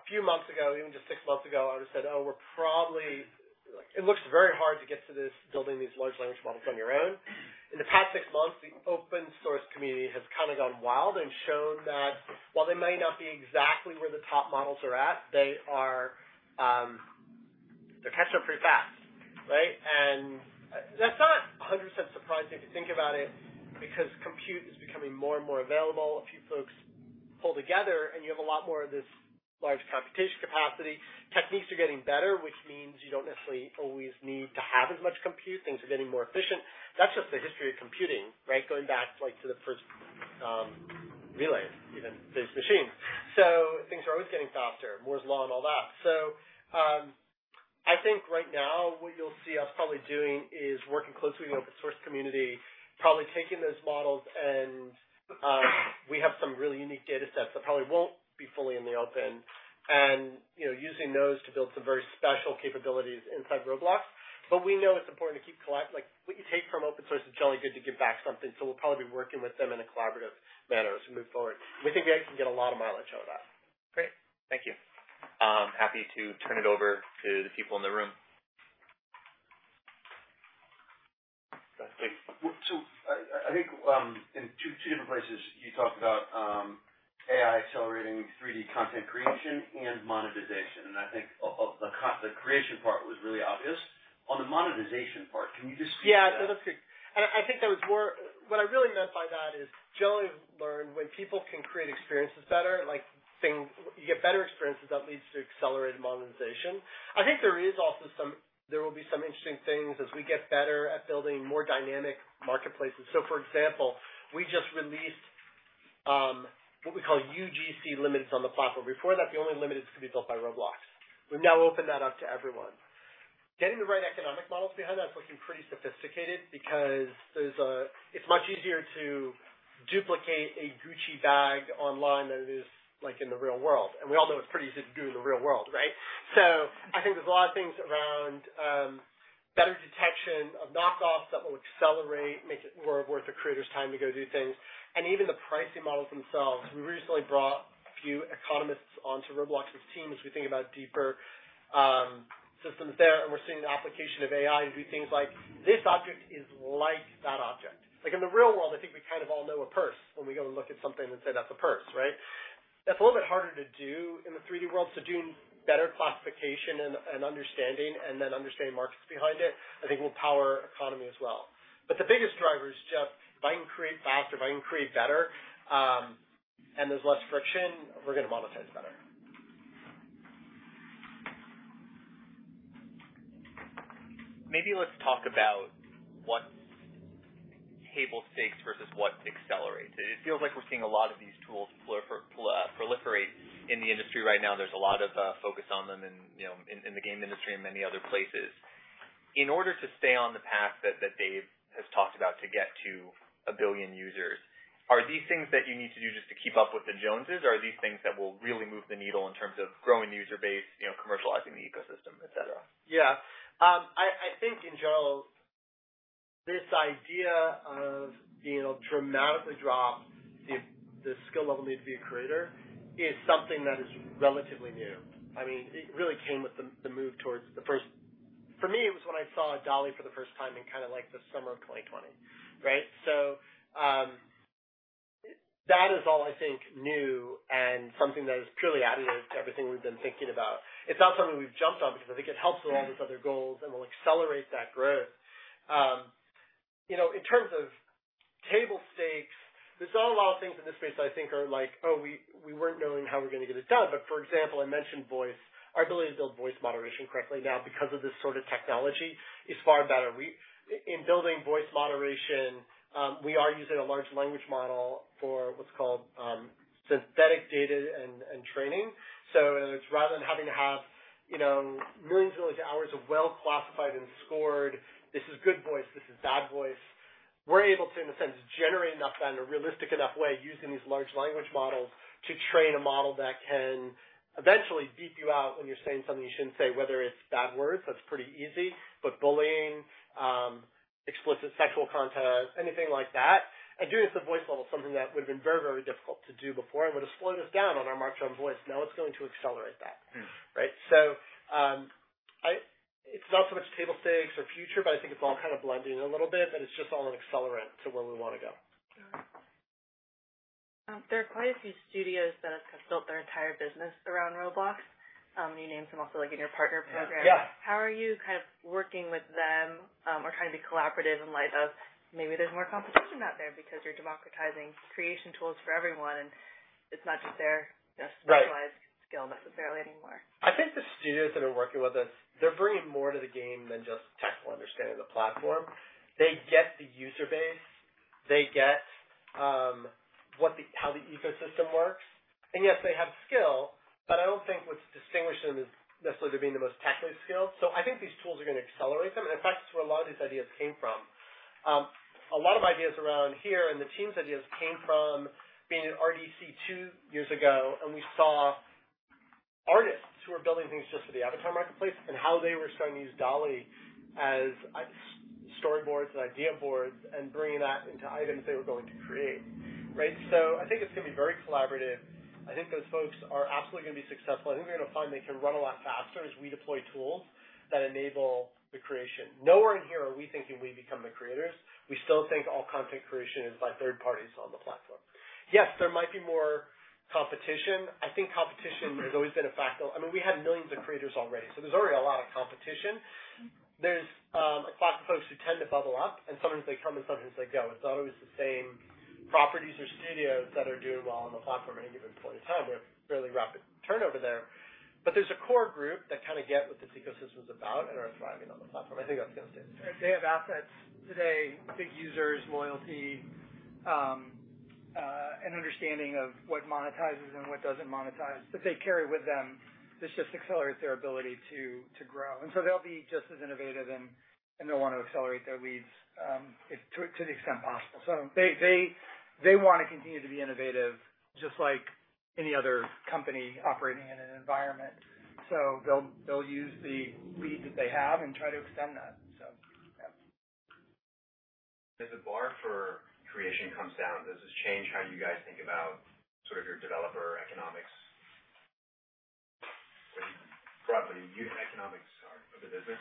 a few months ago, even just six months ago, I would have said, Oh, it looks very hard to get to this building these Large Language Models on your own. In the past six months, the open source community has kind of gone wild and shown that while they may not be exactly where the top models are at, they're catching up pretty fast, right? That's not 100% surprising if you think about it, because compute is becoming more and more available. A few folks pull together, you have a lot more of this large computation capacity. Techniques are getting better, which means you don't necessarily always need to have as much compute. Things are getting more efficient. That's just the history of computing, right? Going back, like, to the first relays, even, these machines. Things are always getting faster, Moore's Law and all that. I think right now, what you'll see us probably doing is working closely with the open source community, probably taking those models and we have some really unique data sets that probably won't be fully in the open. You know, using those to build some very special capabilities inside Roblox. We know it's important to keep like, what you take from open source, it's generally good to give back something, so we'll probably be working with them in a collaborative manner as we move forward. We think we can get a lot of mileage out of that. Great. Thank you. Happy to turn it over to the people in the room. I think in two different places, you talked about AI accelerating 3D content creation and monetization. I think the creation part was really obvious. On the monetization part, can you just speak to that? Yeah, that's great. What I really meant by that is, generally we've learned when people can create experiences better, like things, you get better experiences that leads to accelerated monetization. I think there will be some interesting things as we get better at building more dynamic marketplaces. For example, we just released what we call UGC limits on the platform. Before that, the only limits could be built by Roblox. We've now opened that up to everyone. Getting the right economic models behind that is looking pretty sophisticated because it's much easier to duplicate a Gucci bag online than it is, like, in the real world, and we all know it's pretty easy to do in the real world, right? I think there's a lot of things around better detection of knockoffs that will accelerate, make it more worth a creator's time to go do things, and even the pricing models themselves. We recently brought a few economists onto Roblox's team as we think about deeper systems there, and we're seeing the application of AI to do things like, This object is like that object. Like, in the real world, I think we kind of all know a purse when we go to look at something and say, That's a purse, right? That's a little bit harder to do in the 3D world. Doing better classification and understanding and then understanding markets behind it, I think will power economy as well. The biggest driver is just if I can create faster, if I can create better, and there's less friction, we're going to monetize better. Maybe let's talk about what's table stakes versus what accelerates it. It feels like we're seeing a lot of these tools proliferate in the industry right now. There's a lot of focus on them and, you know, in the game industry and many other places. In order to stay on the path that Dave has talked about to get to a billion users, are these things that you need to do just to keep up with the Joneses, or are these things that will really move the needle in terms of growing the user base, you know, commercializing the ecosystem, et cetera? Yeah. I think in general, this idea of, you know, dramatically drop the skill level needed to be a creator is something that is relatively new. I mean, it really came with the move towards the first. For me, it was when I saw DALL-E for the first time in kind of like the summer of 2020, right? That is all I think new and something that is purely additive to everything we've been thinking about. It's not something we've jumped on, because I think it helps with all these other goals and will accelerate that growth. You know, in terms of table stakes, there's not a lot of things in this space that I think are like, Oh, we weren't knowing how we're going to get this done, but for example, I mentioned voice. Our ability to build voice moderation correctly now because of this sort of technology is far better. In building voice moderation, we are using a large language model for what's called synthetic data and training. It's rather than having to have, you know, millions and millions of hours of well-classified and scored, this is good voice, this is bad voice, we're able to, in a sense, generate enough data in a realistic enough way using these Large Language Models, to train a model that can eventually beep you out when you're saying something you shouldn't say, whether it's bad words, that's pretty easy, but bullying, explicit sexual content, anything like that, and doing it at the voice level, something that would have been very, very difficult to do before. It would have slowed us down on our match on voice. Now it's going to accelerate that. Mm. Right? It's not so much table stakes or future, but I think it's all kind of blending a little bit, but it's just all an accelerant to where we want to go. There are quite a few studios that have built their entire business around Roblox. You named some also, like in your partner program. Yeah. How are you kind of working with them, or trying to be collaborative in light of maybe there's more competition out there because you're democratizing creation tools for everyone, and it's not just? Right. Specialized skill necessarily anymore? I think the studios that are working with us, they're bringing more to the game than just technical understanding of the platform. They get the user base, they get what the ecosystem works. Yes, they have skill, but I don't think what's distinguishing them is necessarily them being the most technically skilled. I think these tools are going to accelerate them. In fact, this is where a lot of these ideas came from. A lot of ideas around here, and the teams' ideas came from being at RDC two years ago, and we saw artists who were building things just for the avatar marketplace and how they were starting to use DALL-E as storyboards and idea boards and bringing that into items they were going to create, right? I think it's going to be very collaborative. I think those folks are absolutely going to be successful. I think they're going to find they can run a lot faster as we deploy tools that enable the creation. Nowhere in here are we thinking we become the creators. We still think all content creation is by third parties on the platform. There might be more competition. I think competition has always been a factor. I mean, we had millions of creators already, so there's already a lot of competition. There's a class of folks who tend to bubble up, and sometimes they come, and sometimes they go. It's not always the same properties or studios that are doing well on the platform at any given point in time. There's fairly rapid turnover there. There's a core group that kind of get what this ecosystem is about and are thriving on the platform. I think that's going to stay the same. They have assets today, I think users, loyalty and understanding of what monetizes and what doesn't monetize, that they carry with them. This just accelerates their ability to grow. They'll be just as innovative and they'll want to accelerate their leads to the extent possible. They want to continue to be innovative, just like any other company operating in an environment. They'll use the lead that they have and try to extend that. Yeah. As the bar for creation comes down, does this change how you guys think about sort of your developer economics? Probably unit economics are of the business.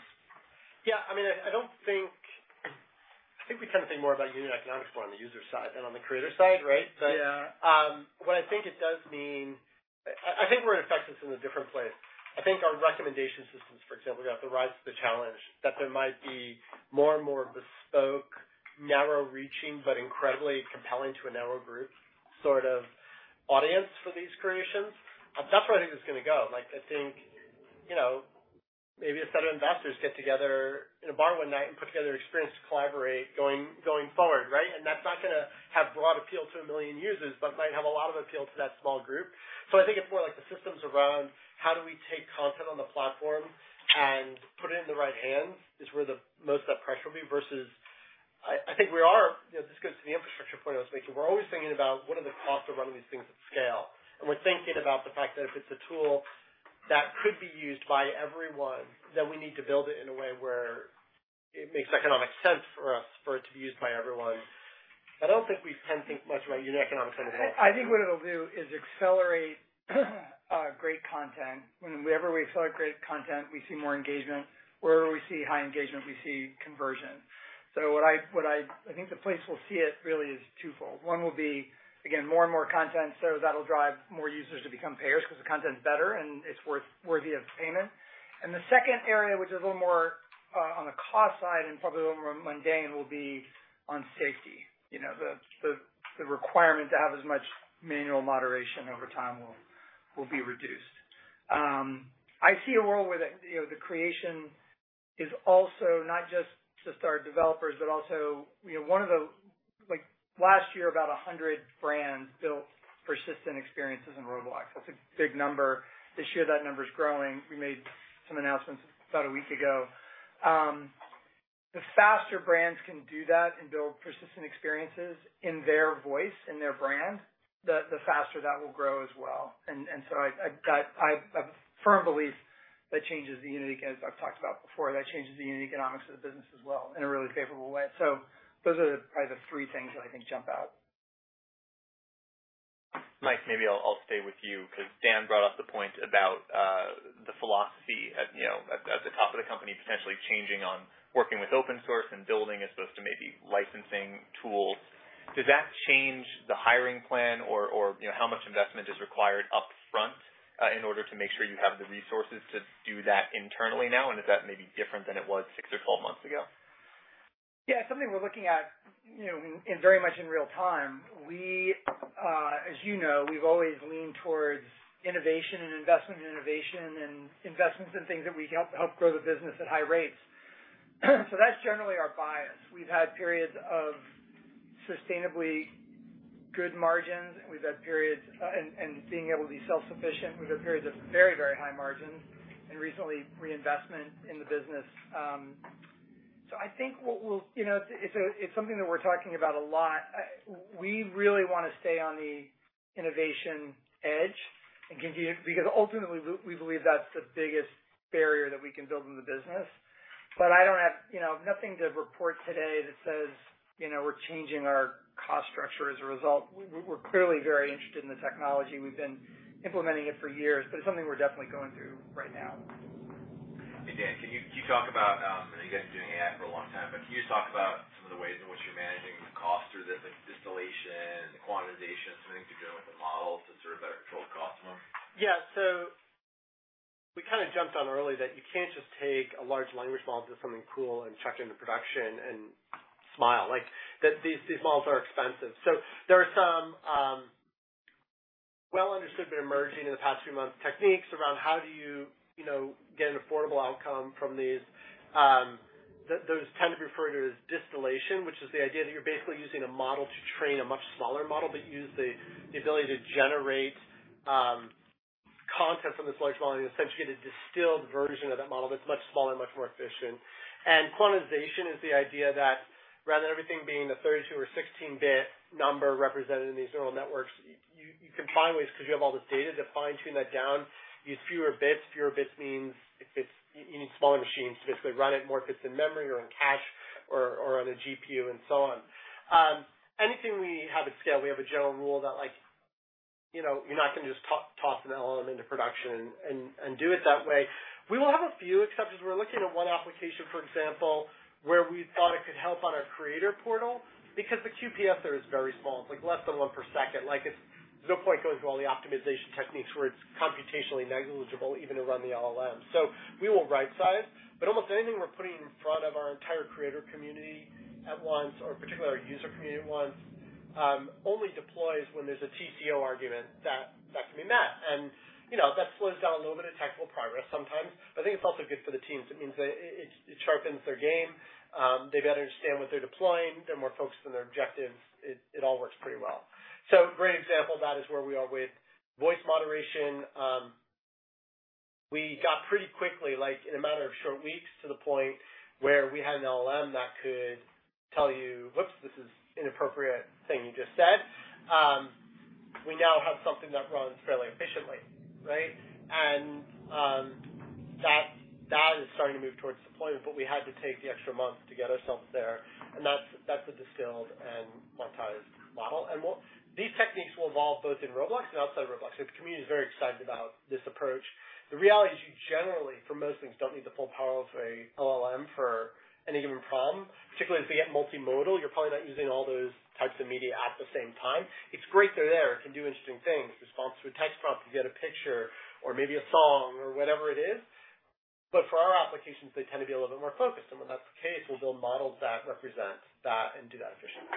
Yeah, I mean, I think we kind of think more about unit economics more on the user side than on the creator side, right? Yeah. What I think it does mean, I think we're affected from a different place. I think our recommendation systems, for example, we have to rise to the challenge that there might be more and more bespoke, narrow reaching, but incredibly compelling to a narrow group, sort of audience for these creations. That's where I think it's going to go. Like, I think, you know, maybe a set of investors get together in a bar one night and put together an experience to collaborate going forward, right? That's not going to have broad appeal to one million users, but might have a lot of appeal to that small group. I think it's more like the systems around how do we take content on the platform and put it in the right hands is where the most of that pressure will be versus I think. You know, this goes to the infrastructure point I was making. We're always thinking about what are the costs of running these things at scale? We're thinking about the fact that if it's a tool that could be used by everyone, then we need to build it in a way where it makes economic sense for us, for it to be used by everyone. I don't think we tend to think much about unit economics anymore. I think what it'll do is accelerate great content. Whenever we accelerate great content, we see more engagement. Wherever we see high engagement, we see conversion. I think the place we'll see it really is twofold. One will be, again, more and more content, so that'll drive more users to become payers because the content is better and it's worth-worthy of payment. The second area, which is a little more on the cost side and probably a little more mundane, will be on safety. You know, the requirement to have as much manual moderation over time will be reduced. I see a world where, you know, the creation is also not just to start developers, but also, you know, like, last year, about 100 brands built persistent experiences in Roblox. That's a big number. This year, that number is growing. We made some announcements about a week ago. The faster brands can do that and build persistent experiences in their voice, in their brand, the faster that will grow as well. I've got a firm belief that changes the unit, as I've talked about before, that changes the unit economics of the business as well in a really favorable way. Those are probably the three things that I think jump out. Mike, maybe I'll stay with you because Dan brought up the point about the philosophy at, you know, at the top of the company, potentially changing on working with open source and building as opposed to maybe licensing tools. Does that change the hiring plan or, you know, how much investment is required up front in order to make sure you have the resources to do that internally now? Is that maybe different than it was six or 12 months ago? Yeah, it's something we're looking at, you know, and very much in real time. We, as you know, we've always leaned towards innovation and investment in innovation and investments in things that we help grow the business at high rates. That's generally our bias. We've had periods of sustainably good margins, and we've had periods, and being able to be self-sufficient. We've had periods of very, very high margins and recently, reinvestment in the business. You know, it's a, it's something that we're talking about a lot. We really want to stay on the innovation edge and continue. Because ultimately, we believe that's the biggest barrier that we can build in the business. I don't have, you know, nothing to report today that says, you know, we're changing our cost structure as a result. We're clearly very interested in the technology. We've been implementing it for years, but it's something we're definitely going through right now. Hey, Dan, can you talk about, I know you guys have been doing AI for a long time, but can you just talk about some of the ways in which you're managing the cost through this, like distillation, the quantization, something to do with the models to sort of better control the cost of them? Yeah. We kind of jumped on early that you can't just take a large language model, do something cool and chuck it into production and smile, like, that these models are expensive. There are some well understood, but emerging in the past few months, techniques around how do you know, get an affordable outcome from these. Those tend to be referred to as distillation, which is the idea that you're basically using a model to train a much smaller model, but use the ability to generate content from this large model and essentially get a distilled version of that model that's much smaller and much more efficient. Quantization is the idea that rather than everything being a 32 or 16-bit number represented in these neural networks, you can find ways, because you have all this data, to fine-tune that down, use fewer bits. Fewer bits means you need smaller machines to basically run it, more fits in memory or in cache or on a GPU and so on. Anything we have at scale, we have a general rule that, like, you know, you're not going to just toss an LLM into production and do it that way. We will have a few exceptions. We're looking at one application, for example, where we thought it could help on our creator portal because the QPS there is very small. It's like less than one per second. Like, there's no point going through all the optimization techniques where it's computationally negligible even to run the LLM. We will rightsize, but almost anything we're putting in front of our entire creator community at once, or particularly our user community at once, only deploys when there's a TCO argument to be met. You know, that slows down a little bit of technical progress sometimes, but I think it's also good for the teams. It means they, it sharpens their game. They better understand what they're deploying. They're more focused on their objectives. It all works pretty well. Great example of that is where we are with voice moderation. We got pretty quickly, like in a matter of short weeks, to the point where we had an LLM that could tell you, whoops, this is inappropriate thing you just said. We now have something that runs fairly efficiently, right? That is starting to move towards deployment, but we had to take the extra month to get ourselves there, and that's the distilled and quantized model. These techniques will evolve both in Roblox and outside of Roblox. The community is very excited about this approach. The reality is you generally, for most things, don't need the full power of a LLM for any given problem, particularly as we get multimodal, you're probably not using all those types of media at the same time. It's great they're there. It can do interesting things, response to a text prompt, you get a picture or maybe a song or whatever it is. For our applications, they tend to be a little bit more focused, and when that's the case, we'll build models that represent that and do that efficiently.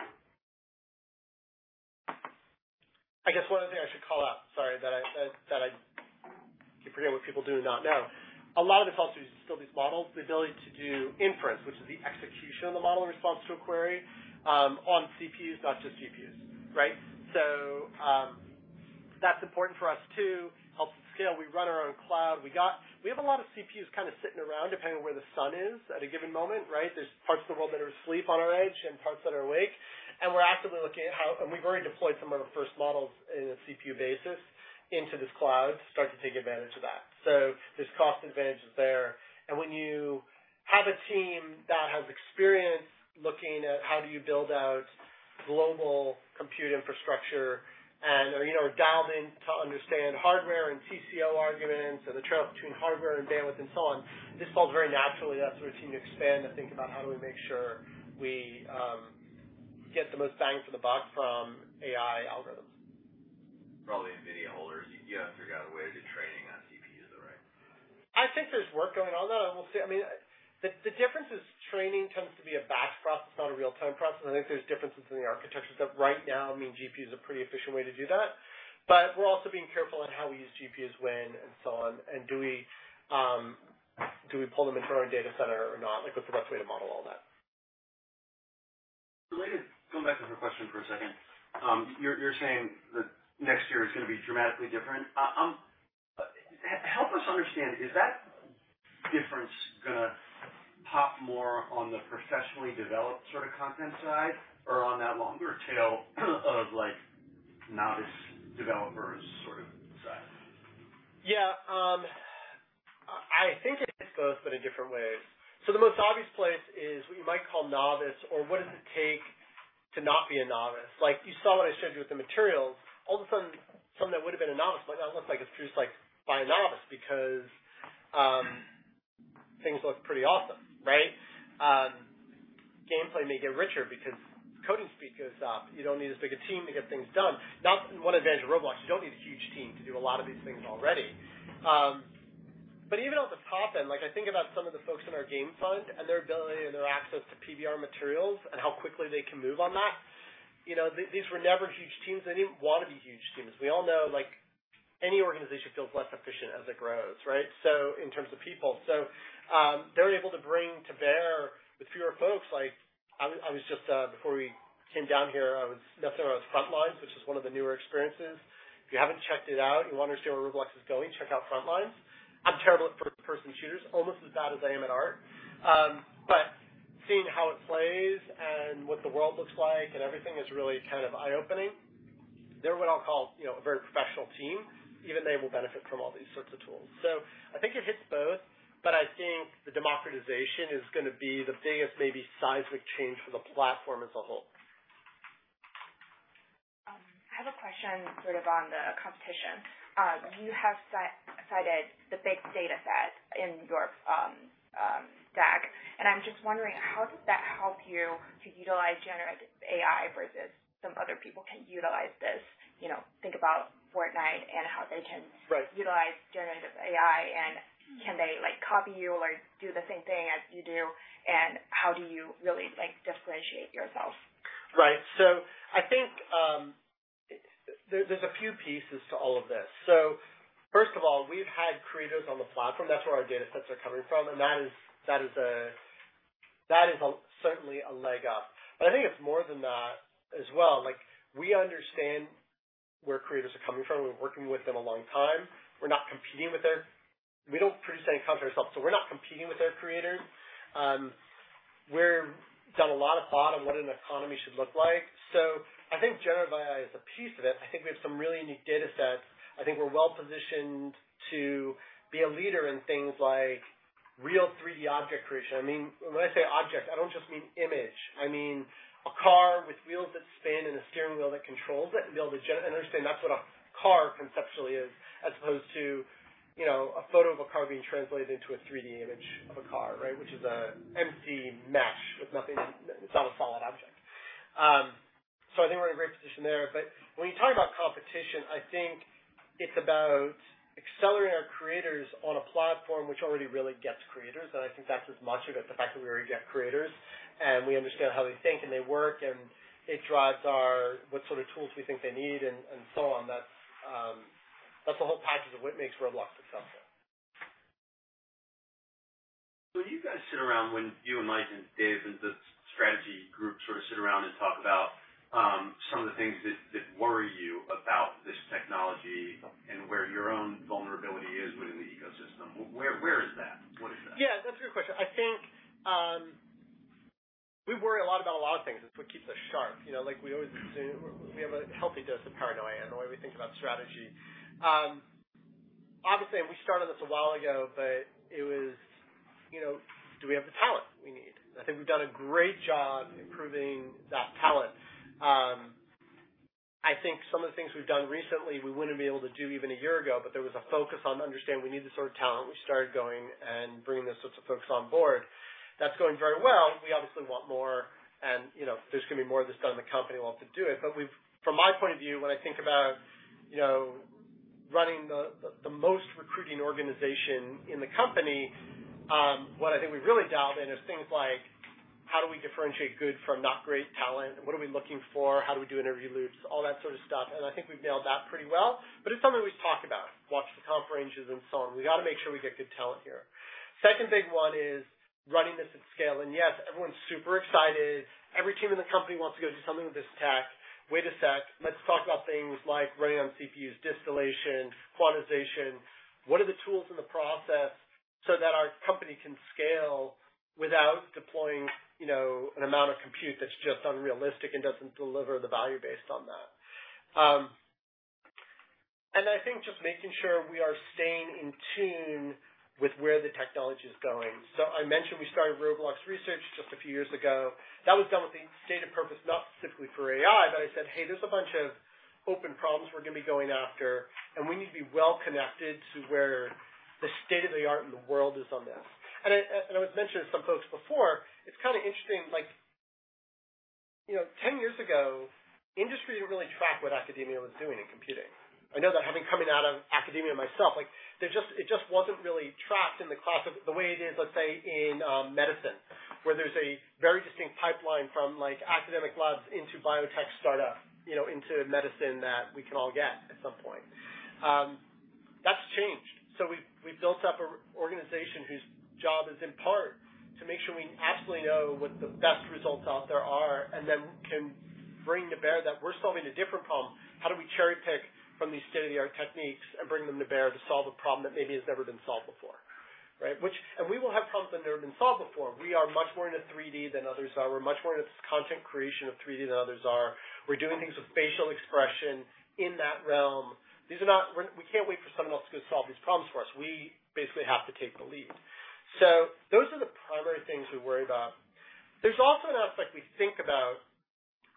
I guess one other thing I should call out, sorry, that I keep forgetting what people do not know. A lot of this also is still these models, the ability to do inference, which is the execution of the model in response to a query, on CPUs, not just GPUs, right? That's important for us to help scale. We run our own cloud. We have a lot of CPUs kind of sitting around, depending on where the sun is at a given moment, right? There's parts of the world that are asleep on our edge and parts that are awake, and we're actively looking at how and we've already deployed some of the first models in a CPU basis into this cloud to start to take advantage of that. There's cost advantages there. When you have a team that has experience looking at how do you build out global compute infrastructure and, or, you know, are dialed in to understand hardware and TCO arguments and the trade-off between hardware and bandwidth and so on, this falls very naturally to us as a team to expand and think about how do we make sure we get the most bang for the buck from AI algorithms. Probably NVIDIA holders, you got to figure out a way to do training on CPUs, right? I think there's work going on there, and we'll see. I mean, the difference is training tends to be a batch process, not a real-time process. I think there's differences in the architecture, but right now, I mean, GPU is a pretty efficient way to do that. We're also being careful in how we use GPUs when and so on, and do we pull them into our own data center or not? Like, what's the best way to model all that. Related, going back to the question for a second. You're saying that next year is going to be dramatically different. Help us understand, is that difference going to pop more on the professionally developed sort of content side or on that longer tail of like novice developers sort of side? Yeah, I think it hits both, but in different ways. The most obvious place is what you might call novice or what does it take to not be a novice. Like, you saw what I showed you with the materials. All of a sudden, someone that would have been a novice might not look like it's produced, like, by a novice, because things look pretty awesome, right? Gameplay may get richer because coding speed goes up. You don't need as big a team to get things done. That's one advantage of Roblox. You don't need a huge team to do a lot of these things already. Even at the top end, like I think about some of the folks in our game fund and their ability and their access to PBR materials and how quickly they can move on that, you know, these were never huge teams. They didn't want to be huge teams. We all know, like, any organization feels less efficient as it grows, right? In terms of people. They're able to bring to bear with fewer folks. Like, I was just before we came down here, I was messing around with FRONTLINES, which is one of the newer experiences. If you haven't checked it out, you want to understand where Roblox is going, check out FRONTLINES. I'm terrible at first-person shooters, almost as bad as I am at art. Seeing how it plays and what the world looks like and everything is really kind of eye-opening. They're what I'll call, you know, a very professional team. Even they will benefit from all these sorts of tools. I think it hits both, but I think the democratization is going to be the biggest, maybe seismic change for the platform as a whole. I have a question sort of on the competition. You have cited the big data set in your stack, and I'm just wondering, how does that help you to utilize generative AI versus some other people can utilize this? You know, think about Fortnite and how they Right. utilize generative AI, can they, like, copy you or do the same thing as you do? How do you really, like, differentiate yourself? Right. I think, there's a few pieces to all of this. First of all, we've had creators on the platform. That's where our data sets are coming from, and that is certainly a leg up. I think it's more than that as well. Like, we understand where creators are coming from. We're working with them a long time. We don't produce any content ourselves, so we're not competing with their creators. We're done a lot of thought on what an economy should look like. I think generative AI is a piece of it. I think we have some really unique data sets. I think we're well positioned to be a leader in things like real 3D object creation. I mean, when I say object, I don't just mean image. I mean a car with wheels that spin and a steering wheel that controls it, and be able to understand that's what a car conceptually is, as opposed to, you know, a photo of a car being translated into a 3D image of a car, right? Which is a empty mesh with nothing. It's not a solid object. I think we're in a great position there. When you talk about competition, I think it's about accelerating on platform, which already really gets creators, and I think that's as much of it, the fact that we already get creators, and we understand how they think, and they work, and it drives what sort of tools we think they need and so on. That's, that's the whole package of what makes Roblox successful. You guys sit around when you and Mike and Dave and the strategy group sort of sit around and talk about some of the things that worry you about this technology and where your own vulnerability is within the ecosystem. Where is that? What is that? Yeah, that's a great question. I think, we worry a lot about a lot of things. It's what keeps us sharp. You know, like, we have a healthy dose of paranoia in the way we think about strategy. Obviously, we started this a while ago, but it was, you know, do we have the talent we need? I think we've done a great job improving that talent. I think some of the things we've done recently, we wouldn't be able to do even a year ago, but there was a focus on understanding we need this sort of talent. We started going and bringing those sorts of folks on board. That's going very well. We obviously want more, and you know, there's going to be more of this done in the company want to do it. From my point of view, when I think about, you know, running the most recruiting organization in the company, what I think we really dialed in is things like. How do we differentiate good from not great talent? What are we looking for? How do we do interview loops? All that sort of stuff, and I think we've nailed that pretty well, but it's something we talk about. Watch the comp ranges and so on. We got to make sure we get good talent here. Second big one is running this at scale. Yes, everyone's super excited. Every team in the company wants to go do something with this tech. Wait a sec. Let's talk about things like running on CPUs, distillation, quantization. What are the tools in the process so that our company can scale without deploying, you know, an amount of compute that's just unrealistic and doesn't deliver the value based on that? I think just making sure we are staying in tune with where the technology is going. I mentioned we started Roblox Research just a few years ago. That was done with the stated purpose, not specifically for AI, but I said, hey, there's a bunch of open problems we're going to be going after, and we need to be well connected to where the state-of-the-art in the world is on this. I've mentioned to some folks before, it's kind of interesting, like, you know, 10 years ago, industry didn't really track what academia was doing in computing. I know that having coming out of academia myself, like, it just wasn't really tracked in the class of. The way it is, let's say, in medicine, where there's a very distinct pipeline from like academic labs into biotech startup, you know, into medicine that we can all get at some point. That's changed. We've built up an organization whose job is in part to make sure we absolutely know what the best results out there are and then can bring to bear that we're solving a different problem. How do we cherry-pick from these state-of-the-art techniques and bring them to bear to solve a problem that maybe has never been solved before, right? We will have problems that have never been solved before. We are much more into 3D than others are. We're much more into content creation of 3D than others are. We're doing things with facial expression in that realm. We can't wait for someone else to go solve these problems for us. We basically have to take the lead. Those are the primary things we worry about. There's also an aspect we think about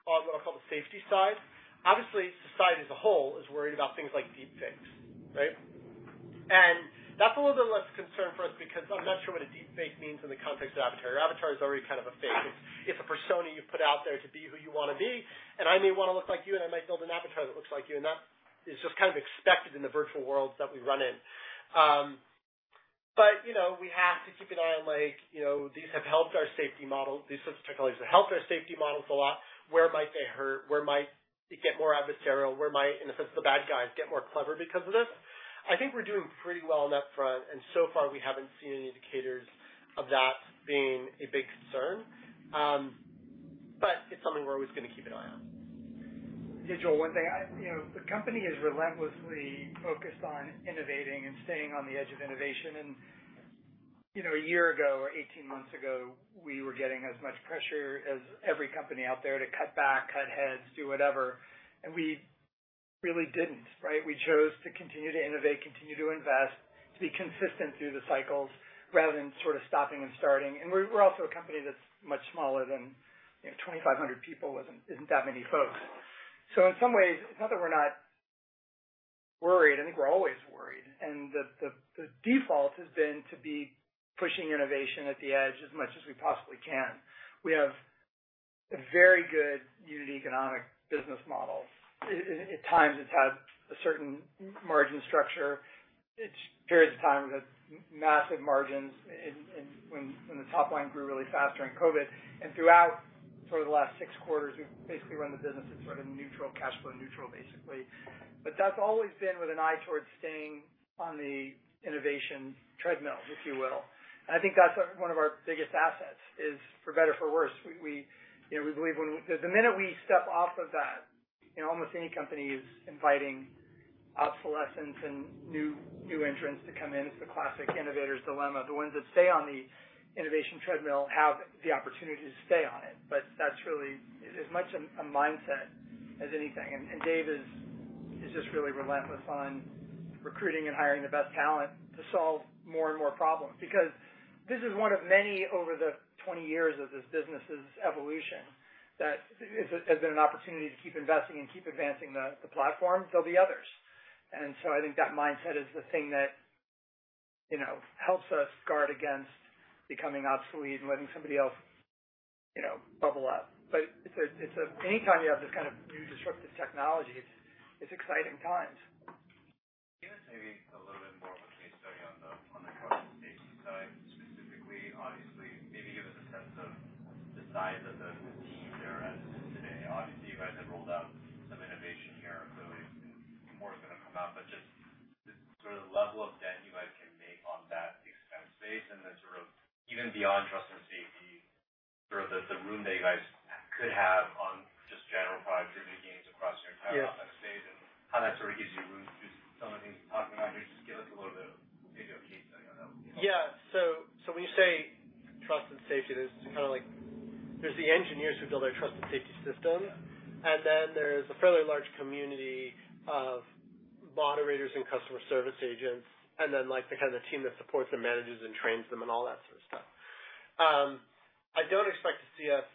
on what I'll call the safety side. Obviously, society as a whole is worried about things like deepfakes, right? That's a little bit less concern for us because I'm not sure what a deepfake means in the context of avatar. Avatar is already kind of a fake. It's a persona you put out there to be who you want to be, and I may want to look like you, and I might build an avatar that looks like you, and that is just kind of expected in the virtual worlds that we run in. You know, we have to keep an eye on like, you know, these have helped our safety model. These sorts of technologies have helped our safety models a lot. Where might they hurt? Where might it get more adversarial? Where might, in a sense, the bad guys get more clever because of this? I think we're doing pretty well on that front. So far, we haven't seen any indicators of that being a big concern. It's something we're always going to keep an eye on. Hey, Joel, one thing. You know, the company is relentlessly focused on innovating and staying on the edge of innovation. You know, 1 year ago or 18 months ago, we were getting as much pressure as every company out there to cut back, cut heads, do whatever. We really didn't, right? We chose to continue to innovate, continue to invest, to be consistent through the cycles rather than sort of stopping and starting. We're also a company that's much smaller than, you know, 2,500 people isn't that many folks. In some ways, it's not that we're not worried. I think we're always worried, the default has been to be pushing innovation at the edge as much as we possibly can. We have a very good unit economic business model. At times, it's had a certain margin structure. It's periods of time, we've had massive margins in when the top line grew really fast during COVID, and throughout sort of the last six quarters, we've basically run the business at sort of neutral, cash flow neutral, basically. That's always been with an eye towards staying on the innovation treadmill, if you will. I think that's one of our biggest assets is, for better or for worse, we, you know, we believe when we the minute we step off of that, you know, almost any company is inviting obsolescence and new entrants to come in. It's the classic innovator's dilemma. The ones that stay on the innovation treadmill have the opportunity to stay on it, but that's really as much a mindset as anything. Dave is just really relentless on recruiting and hiring the best talent to solve more and more problems. This is one of many over the 20 years of this business's evolution, that has been an opportunity to keep investing and keep advancing the platform. There'll be others. I think that mindset is the thing that, you know, helps us guard against becoming obsolete and letting somebody else, you know, bubble up. It's anytime you have this kind of new disruptive technology, it's exciting times. Can you give us maybe a little bit more of a case study on the trust and safety side, specifically? Obviously, maybe give us a sense of the size of the team there as of today. Obviously, you guys have rolled out some innovation here, so more is going to come out. Just the sort of level of dent you guys can make on that expense base and then sort of even beyond trust and safety, sort of the room that you guys could have on just general product driven gains across your entire. Yeah. Product space, and how that sort of gives you room to do some of the things you're talking about. Just give us a little bit of maybe a case study on that. Yeah. When you say trust and safety, there's kind of like, there's the engineers who build our trust and safety system. Yeah. There's a fairly large community of moderators and customer service agents, and then, like, the kind of the team that supports them, manages and trains them, and all that sort of stuff. I don't expect to see us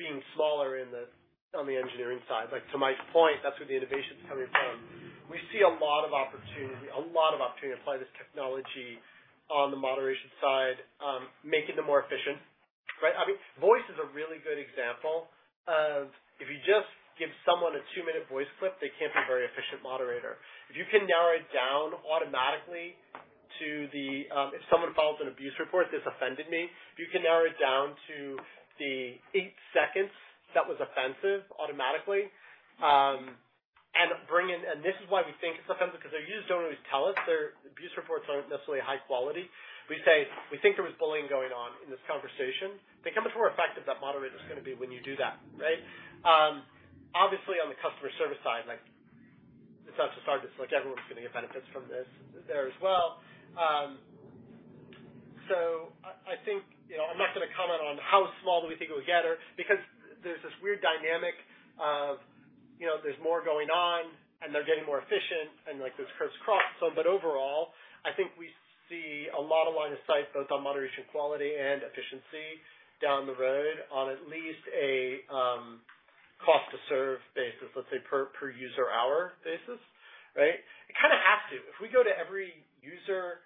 being smaller in the, on the engineering side. Like, to my point, that's where the innovation is coming from. We see a lot of opportunity, a lot of opportunity to apply this technology on the moderation side, making them more efficient, right? I mean, voice is a really good example of if you just give someone a two-minute voice clip, they can't be a very efficient moderator. If you can narrow it down automatically. If someone files an abuse report, this offended me. If you can narrow it down to the eight seconds that was offensive automatically, and this is why we think it's offensive, because our users don't always tell us. Their abuse reports aren't necessarily high quality. We say, We think there was bullying going on in this conversation. They become a more effective, that moderator. Yeah. is going to be when you do that, right? Obviously, on the customer service side, like, it's not just our dislike, everyone's going to get benefits from this there as well. I think, you know, I'm not going to comment on how small do we think it will get or. Because there's this weird dynamic of, you know, there's more going on, and they're getting more efficient, and like, there's curves crossing. Overall, I think we see a lot of line of sight, both on moderation, quality, and efficiency down the road on at least a cost to serve basis, let's say, per user hour basis, right? It kind of has to. If we go to every user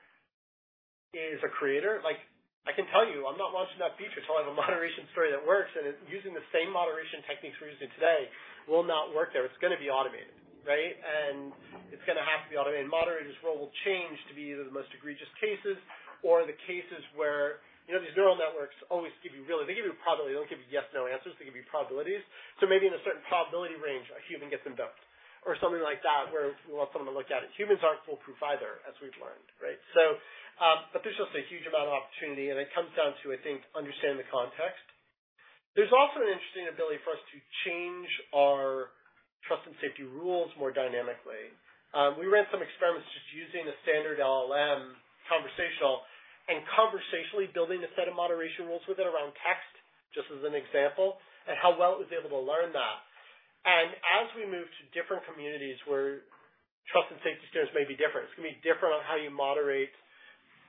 is a creator, like, I can tell you, I'm not launching that feature until I have a moderation story that works, using the same moderation techniques we're using today will not work there. It's going to be automated, right? It's going to have to be automated. Moderator's role will change to be either the most egregious cases or the cases where, you know, these neural networks always give you a probability. They don't give you yes, no answers. They give you probabilities. Maybe in a certain probability range, a human gets invoked or something like that, where we want someone to look at it. Humans aren't foolproof either, as we've learned, right? There's just a huge amount of opportunity, and it comes down to, I think, understanding the context. There's also an interesting ability for us to change our trust and safety rules more dynamically. We ran some experiments just using the standard LLM conversational, and conversationally building a set of moderation rules with it around text, just as an example, and how well it was able to learn that. As we move to different communities where trust and safety standards may be different, it's going to be different on how you moderate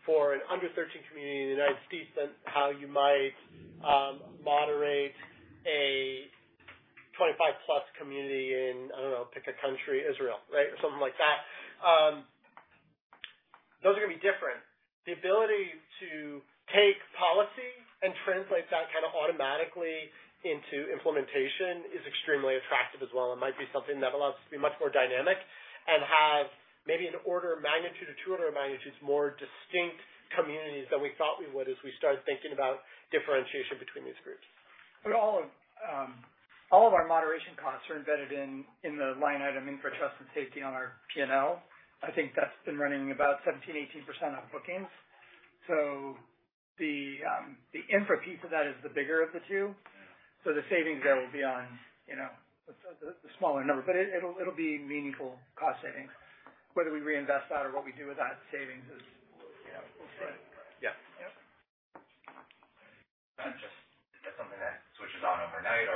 for an under 13 community in the United States than how you might moderate a 25 plus community in, I don't know, pick a country, Israel, right? Or something like that. Those are going to be different. The ability to take policy and translate that kind of automatically into implementation is extremely attractive as well. It might be something that allows us to be much more dynamic and have maybe an order of magnitude or two order of magnitudes, more distinct communities than we thought we would as we started thinking about differentiation between these groups. All of our moderation costs are embedded in the line item infra trust and safety on our PNL. I think that's been running about 17%, 18% on bookings. The infra piece of that is the bigger of the two. Yeah. The savings there will be on, you know, the smaller number, but it'll be meaningful cost savings. Whether we reinvest that or what we do with that savings is, you know, we'll see. Yeah. Yeah. Just, is that something that switches on overnight,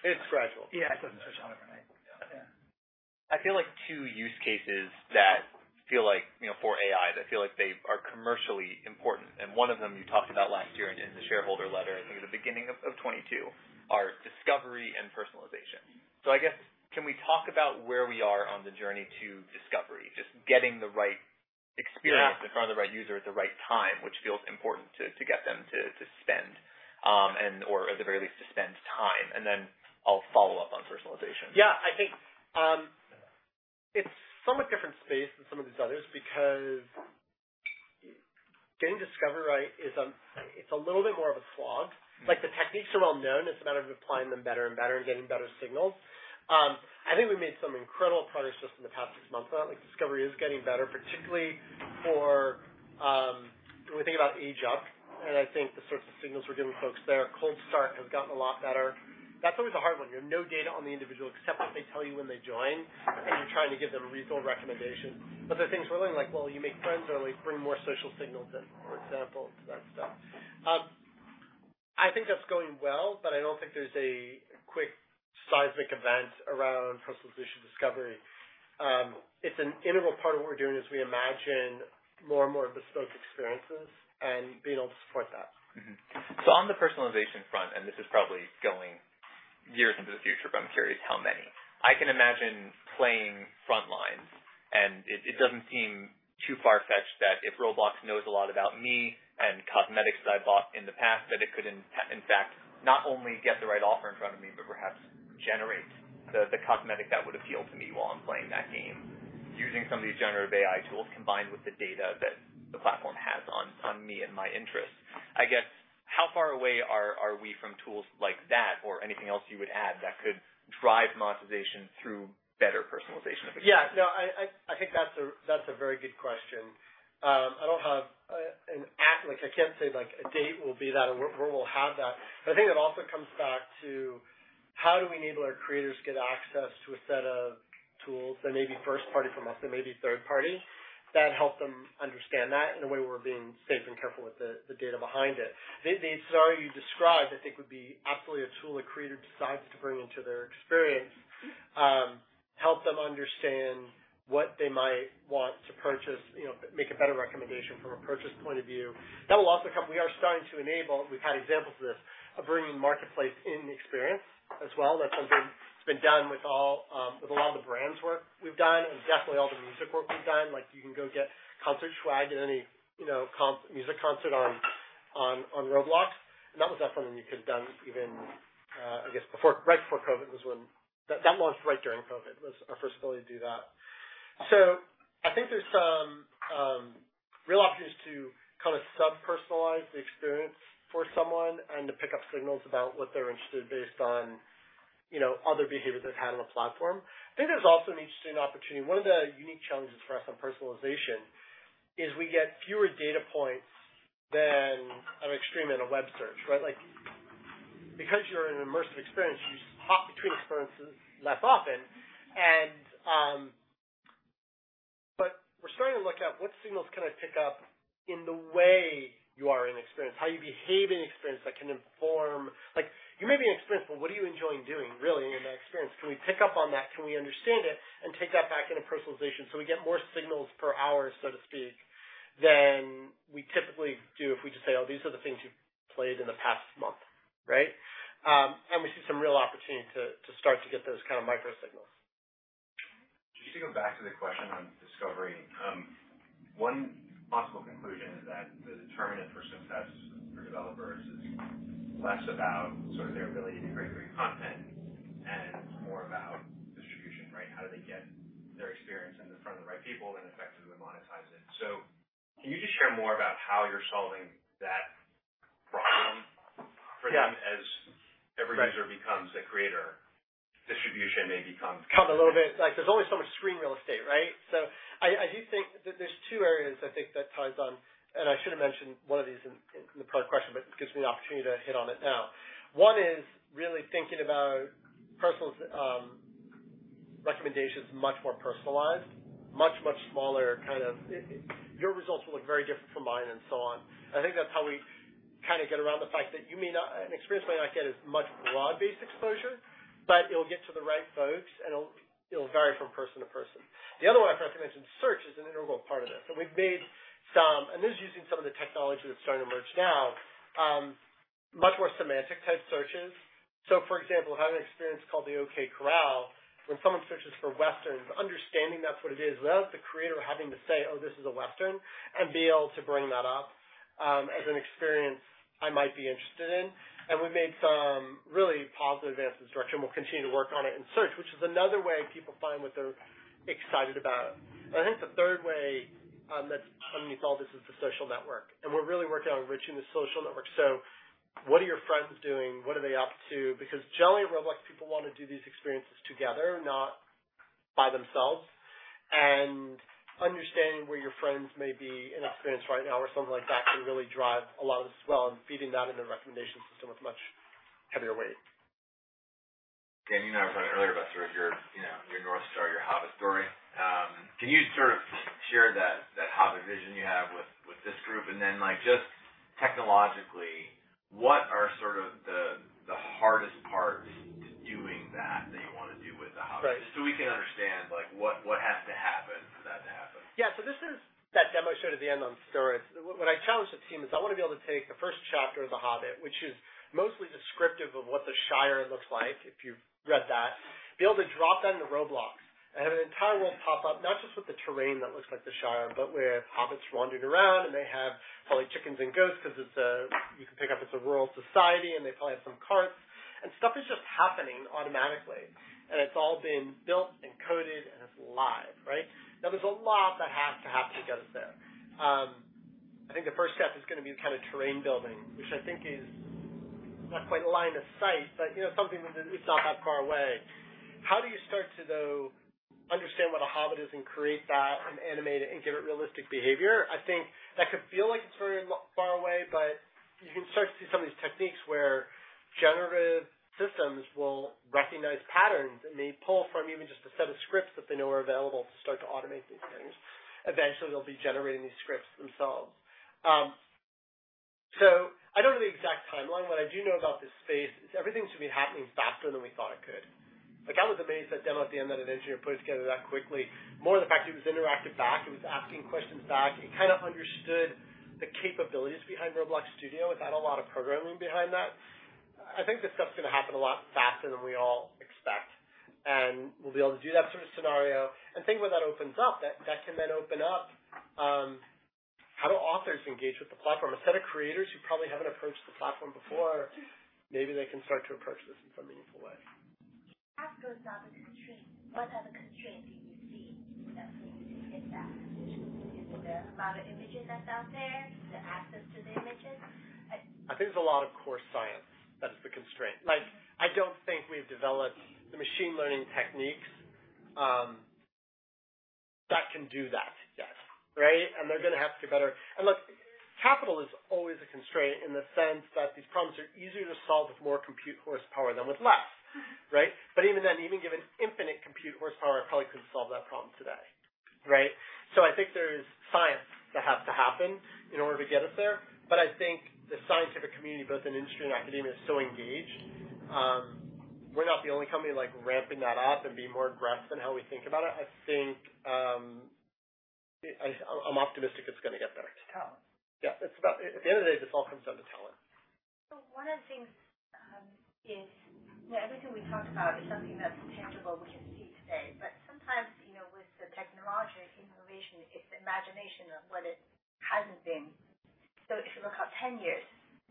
or is it like, how long has the development and improvement process before they start seeing benefits? It's gradual. Yeah, it doesn't switch on overnight. Yeah. Yeah. I feel like two use cases that feel like, you know, for AI, that feel like they are commercially important, and one of them you talked about last year in the shareholder letter, I think in the beginning of 2022, are discovery and personalization. I guess, can we talk about where we are on the journey to discovery? Just getting the right experience. Yeah. In front of the right user at the right time, which feels important to get them to spend or at the very least, to spend time. I'll follow up on personalization. Yeah, I think, it's somewhat different space than some of these others because getting discovery right is, it's a little bit more of a slog. Mm-hmm. Like, the techniques are well known. It's a matter of applying them better and better and getting better signals. I think we've made some incredible progress just in the past six months. Like, discovery is getting better, particularly for, when we think about age up, and I think the sorts of signals we're giving folks there. cold start has gotten a lot better. That's always a hard one. You have no data on the individual except what they tell you when they join, and you're trying to give them a reasonable recommendation. There are things we're learning, like, well, you make friends early, bring more social signals in, for example, to that stuff. I think that's going well, but I don't think there's a quick seismic event around personalization discovery. It's an integral part of what we're doing as we imagine more and more bespoke experiences and being able to support that. Mm-hmm. On the personalization front, and this is probably years into the future, but I'm curious how many? I can imagine playing FRONTLINES, and it doesn't seem too far-fetched that if Roblox knows a lot about me and cosmetics that I've bought in the past, that it could, in fact, not only get the right offer in front of me, but perhaps generate the cosmetic that would appeal to me while I'm playing that game, using some of these generative AI tools combined with the data that the platform has on me and my interests. I guess, how far away are we from tools like that or anything else you would add that could drive monetization through better personalization of experience? Yeah, no, I think that's a very good question. I don't have like I can't say, like, a date will be that, or where we'll have that. I think it also comes back to how do we enable our creators to get access to a set of tools that may be first party from us, they may be third party, that help them understand that in a way we're being safe and careful with the data behind it. The scenario you described, I think, would be absolutely a tool a creator decides to bring into their experience, help them understand what they might want to purchase, you know, make a better recommendation from a purchase point of view. That will also come... We are starting to enable, we've had examples of this, of bringing marketplace in the experience as well. That's something that's been done with all, with a lot of the brands work we've done and definitely all the music work we've done. You can go get concert swag at any, you know, music concert on Roblox, and that was definitely something you could have done even, I guess before, right before COVID was when. That launched right during COVID, was our first ability to do that. I think there's some real opportunities to kind of sub-personalize the experience for someone and to pick up signals about what they're interested based on, you know, other behavior they've had on the platform. I think there's also an interesting opportunity. One of the unique challenges for us on personalization is we get fewer data points than an extreme in a web search, right. Like, because you're in an immersive experience, you hop between experiences less often. We're starting to look at what signals can I pick up in the way you are in experience, how you behave in experience that can inform. Like, you may be inexperienced, but what are you enjoying doing, really, in that experience? Can we pick up on that? Can we understand it and take that back into personalization so we get more signals per hour, so to speak, than we typically do if we just say, Oh, these are the things you've played in the past month. Right. We see some real opportunity to start to get those kind of micro signals. Just to go back to the question on discovery, one possible conclusion is that the determinant for success for developers is less about sort of their ability to create great content and more about distribution, right? How do they get their experience in front of the right people and effectively monetize it? Can you just share more about how you're solving that problem for them? Yeah. As every user becomes a creator, distribution may become. Like, there's only so much screen real estate, right? I do think that there's two areas I think that ties on, and I should have mentioned one of these in the prior question, but it gives me an opportunity to hit on it now. One is really thinking about personal recommendations, much more personalized, much smaller, kind of. Your results will look very different from mine and so on. I think that's how we kind of get around the fact that an experience might not get as much broad-based exposure, but it'll get to the right folks, and it'll vary from person to person. The other one I forgot to mention, search is an integral part of this. We've made some, and this is using some of the technology that's starting to emerge now, much more semantic-type searches. For example, if I have an experience called the OK Corral, when someone searches for Western, understanding that's what it is, without the creator having to say, Oh, this is a Western, and be able to bring that up, as an experience I might be interested in. We've made some really positive advances in search, and we'll continue to work on it in search, which is another way people find what they're excited about. I think the third way, that's underneath all this is the social network, and we're really working on enriching the social network. What are your friends doing? What are they up to? Because generally, at Roblox, people want to do these experiences together, not by themselves. Understanding where your friends may be in experience right now or something like that, can really drive a lot of this as well, and feeding that into the recommendation system with much heavier weight. Dan, you and I were talking earlier about sort of your, you know, your North Star, your Hobbit story. Can you sort of share that Hobbit vision you have with this group? Like, just technologically, what are sort of the hardest parts to doing that you want to do with The Hobbit? Right. We can understand, like, what has to happen for that to happen. Yeah. This is that demo I showed at the end on stories. What I challenged the team is I want to be able to take the first chapter of The Hobbit, which is mostly descriptive of what the Shire looks like, if you've read that, be able to drop that into Roblox and have an entire world pop up, not just with the terrain that looks like the Shire, but where hobbits wandering around, and they have probably chickens and goats because You can pick up it's a rural society, and they probably have some carts. Stuff is just happening automatically, and it's all been built and coded, and it's live, right? There's a lot that has to happen to get us there. I think the first step is going to be kind of terrain building, which I think is not quite line of sight, but, you know, something that is not that far away. How do you start to, though, understand what a Hobbit is and create that and animate it and give it realistic behavior? I think that could feel like it's very far away. You can start to see some of these techniques where generative systems will recognize patterns, and they pull from even just a set of scripts that they know are available to start to automate these things. Eventually, they'll be generating these scripts themselves. I don't know the exact timeline, but what I do know about this space is everything seems to be happening faster than we thought it could. Amazed at that demo at the end, that an engineer put together that quickly. More than the fact it was interactive back, it was asking questions back. It kind of understood the capabilities behind Roblox Studio without a lot of programming behind that. I think this stuff's going to happen a lot faster than we all expect, and we'll be able to do that sort of scenario. Think what that opens up. That can then open up, how do authors engage with the platform? A set of creators who probably haven't approached the platform before, maybe they can start to approach this in some meaningful way. That goes down the constraint. What other constraint do you see in that thing, in that? Is it the amount of images that's out there, the access to the images? I think there's a lot of core science that is the constraint. Like, I don't think we've developed the machine learning techniques that can do that yet, right? They're going to have to get better. Look, capital is always a constraint in the sense that these problems are easier to solve with more compute horsepower than with less, right? Even then, even given infinite compute horsepower, I probably couldn't solve that problem today, right? I think there's science that has to happen in order to get us there. I think the scientific community, both in industry and academia, is so engaged. We're not the only company, like, ramping that up and being more aggressive in how we think about it. I think, I'm optimistic it's going to get better. It's talent. Yeah, at the end of the day, this all comes down to talent. One of the things, you know, is everything we talked about is something that's tangible, we can see today. Sometimes, you know, with the technology innovation, it's the imagination of what it hasn't been. If you look out 10 years,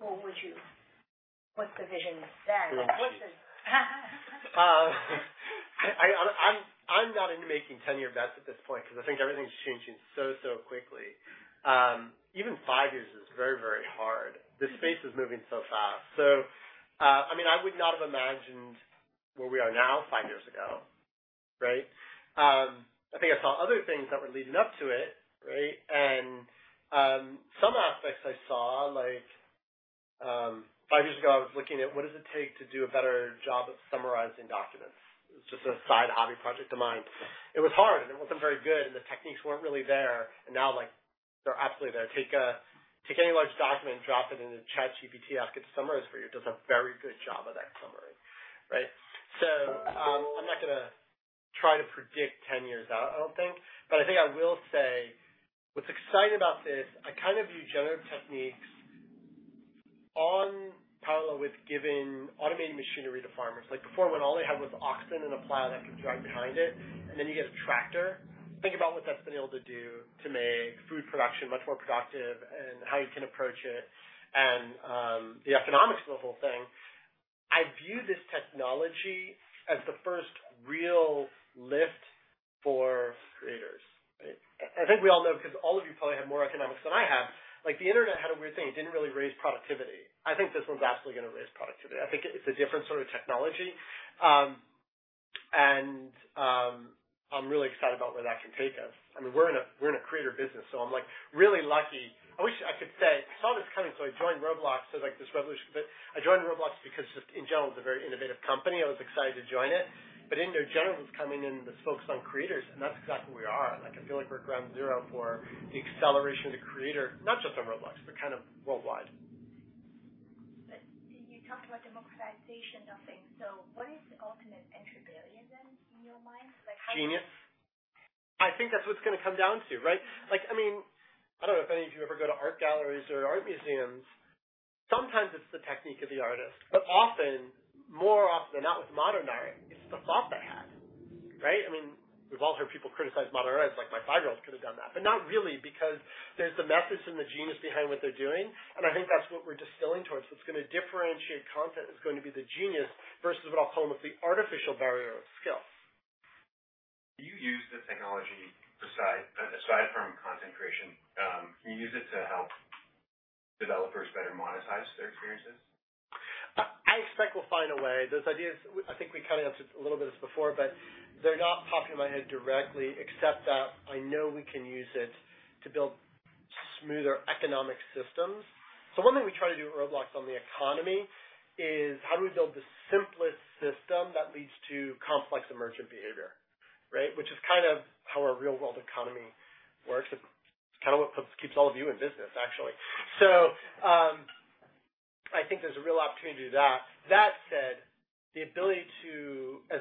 what's the vision then? I'm not into making 10-year bets at this point, because I think everything's changing so quickly. Even five years is very hard. The space is moving so fast. I mean, I would not have imagined where we are now five years ago, right? I think I saw other things that were leading up to it, right? Some aspects I saw, like, five years ago, I was looking at what does it take to do a better job at summarizing documents? It was just a side hobby project of mine. It was hard, and it wasn't very good, and the techniques weren't really there, and now, like, they're absolutely there. Take any large document and drop it in the ChatGPT, ask it to summarize for you. It does a very good job of that summary, right? I'm not going to try to predict 10 years out, I don't think. I think I will say what's exciting about this, I kind of view generative techniques on par with giving automated machinery to farmers. Like, before when all they had was oxen and a plow that could drive behind it, and then you get a tractor. Think about what that's been able to do to make food production much more productive and how you can approach it and the economics of the whole thing. I view this technology as the first real lift for creators, right? I think we all know, because all of you probably have more economics than I have. Like, the internet had a weird thing. It didn't really raise productivity. I think this one's absolutely going to raise productivity. I think it's a different sort of technology. I'm really excited about where that can take us. I mean, we're in a creator business, so I'm, like, really lucky. I wish I could say I saw this coming, so I joined Roblox, so, like, this revolution. I joined Roblox because just in general, it's a very innovative company. I was excited to join it. In general, it was coming in this focus on creators, and that's exactly where we are. Like, I feel like we're at ground zero for the acceleration of the creator, not just on Roblox, but kind of worldwide. You talked about democratization of things. What is the ultimate entry barrier, then, in your mind? Genius. I think that's what it's going to come down to, right? Like, I mean, I don't know if any of you ever go to art galleries or art museums. Sometimes it's the technique of the artist, but often, more often than not with modern art, it's the thought they had, right? I mean, we've all heard people criticize modern art, like, my five-year-old could have done that. Not really, because there's the methods and the genius behind what they're doing, and I think that's what we're distilling towards. What's going to differentiate content is going to be the genius versus what I'll call almost the artificial barrier of skill. Do you use the technology aside from content creation, can you use it to help developers better monetize their experiences? I expect we'll find a way. Those ideas, I think we kind of touched a little bit this before, but they're not popping in my head directly, except that I know we can use it to build smoother economic systems. One thing we try to do at Roblox on the economy is how do we build the simplest system that leads to complex emergent behavior, right? Which is kind of how our real-world economy works. It's kind of what keeps all of you in business, actually. I think there's a real opportunity to do that. That said, as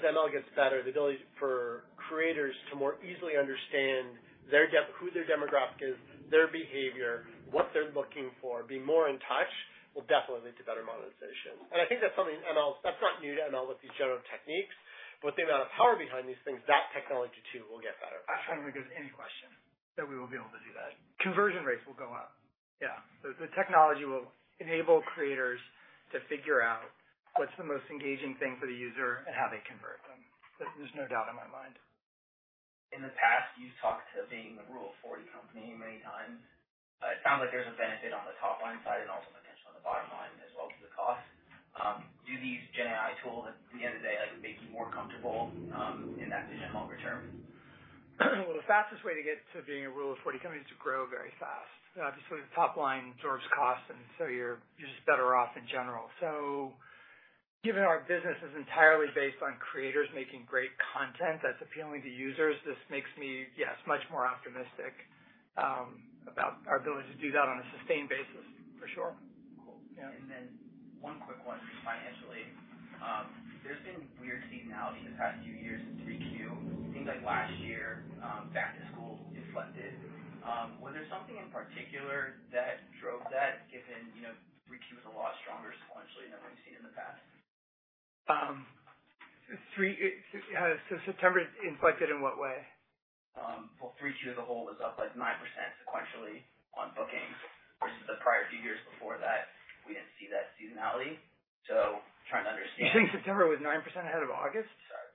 ML gets better, the ability for creators to more easily understand who their demographic is, their behavior, what they're looking for, be more in touch, will definitely lead to better monetization. I think that's something that's not new to ML with these general techniques, but the amount of power behind these things, that technology too, will get better. I'm trying to think of any question that we will be able to do that. Conversion rates will go up. Yeah. The technology will enable creators to figure out what's the most engaging thing for the user and how they convert them. There's no doubt in my mind. In the past, you've talked to being the Rule of 40 company many times. It sounds like there's a benefit on the top-line side and also potentially on the bottom line as well, because the cost. Do these gen AI tools, at the end of the day, like, make you more comfortable, in that position longer term? Well, the fastest way to get to being a Rule of 40 company is to grow very fast. Obviously, the top line absorbs cost, you're just better off in general. Given our business is entirely based on creators making great content that's appealing to users, this makes me, yes, much more optimistic about our ability to do that on a sustained basis, for sure. One quick one, just financially. There's been weird seasonality the past few years in Q3. Things like last year, back to school inflected. Was there something in particular that drove that, given, you know, Q3 is a lot stronger sequentially than we've seen in the past? September inflected in what way? Well, Q3 as a whole was up, like, 9% sequentially on bookings versus the prior few years before that, we didn't see that seasonality. Trying to understand. You're saying September was 9% ahead of August? Sorry.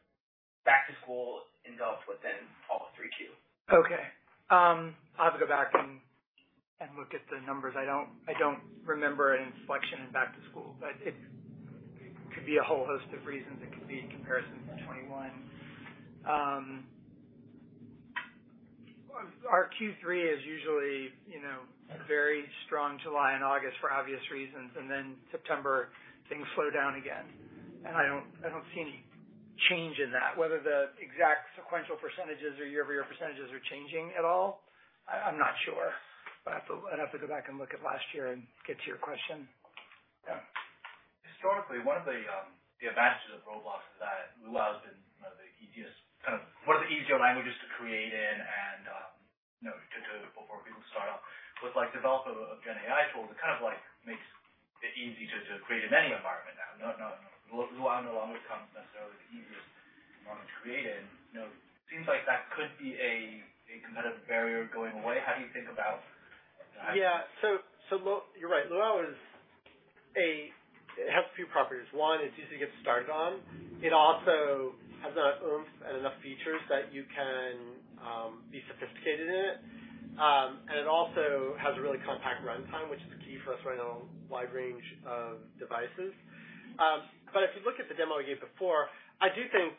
Back to school engulfed within all of Q3. Okay. I'll have to go back and look at the numbers. I don't remember an inflection in back to school, but it could be a whole host of reasons. It could be in comparison to 2021. Our Q3 is usually, you know, a very strong July and August for obvious reasons. September, things slow down again. I don't see any change in that. Whether the exact sequential percentages or year-over-year percentages are changing at all, I'm not sure. I'd have to go back and look at last year and get to your question. Yeah. Historically, one of the advantages of Roblox is that it allows the, you know, one of the easier languages to create in and, you know, to code before people start off. With, like, developer of Gen AI tools, it kind of, like, makes it easy to create in any environment now. Lua no longer becomes necessarily the easiest one to create in. You know, seems like that could be a competitive barrier going away. How do you think about that? You're right. Lua is a. It has a few properties. One, it's easy to get started on. It also has enough oomph and enough features that you can be sophisticated in it. And it also has a really compact runtime, which is key for us right now, a wide range of devices. But if you look at the demo I gave before, I do think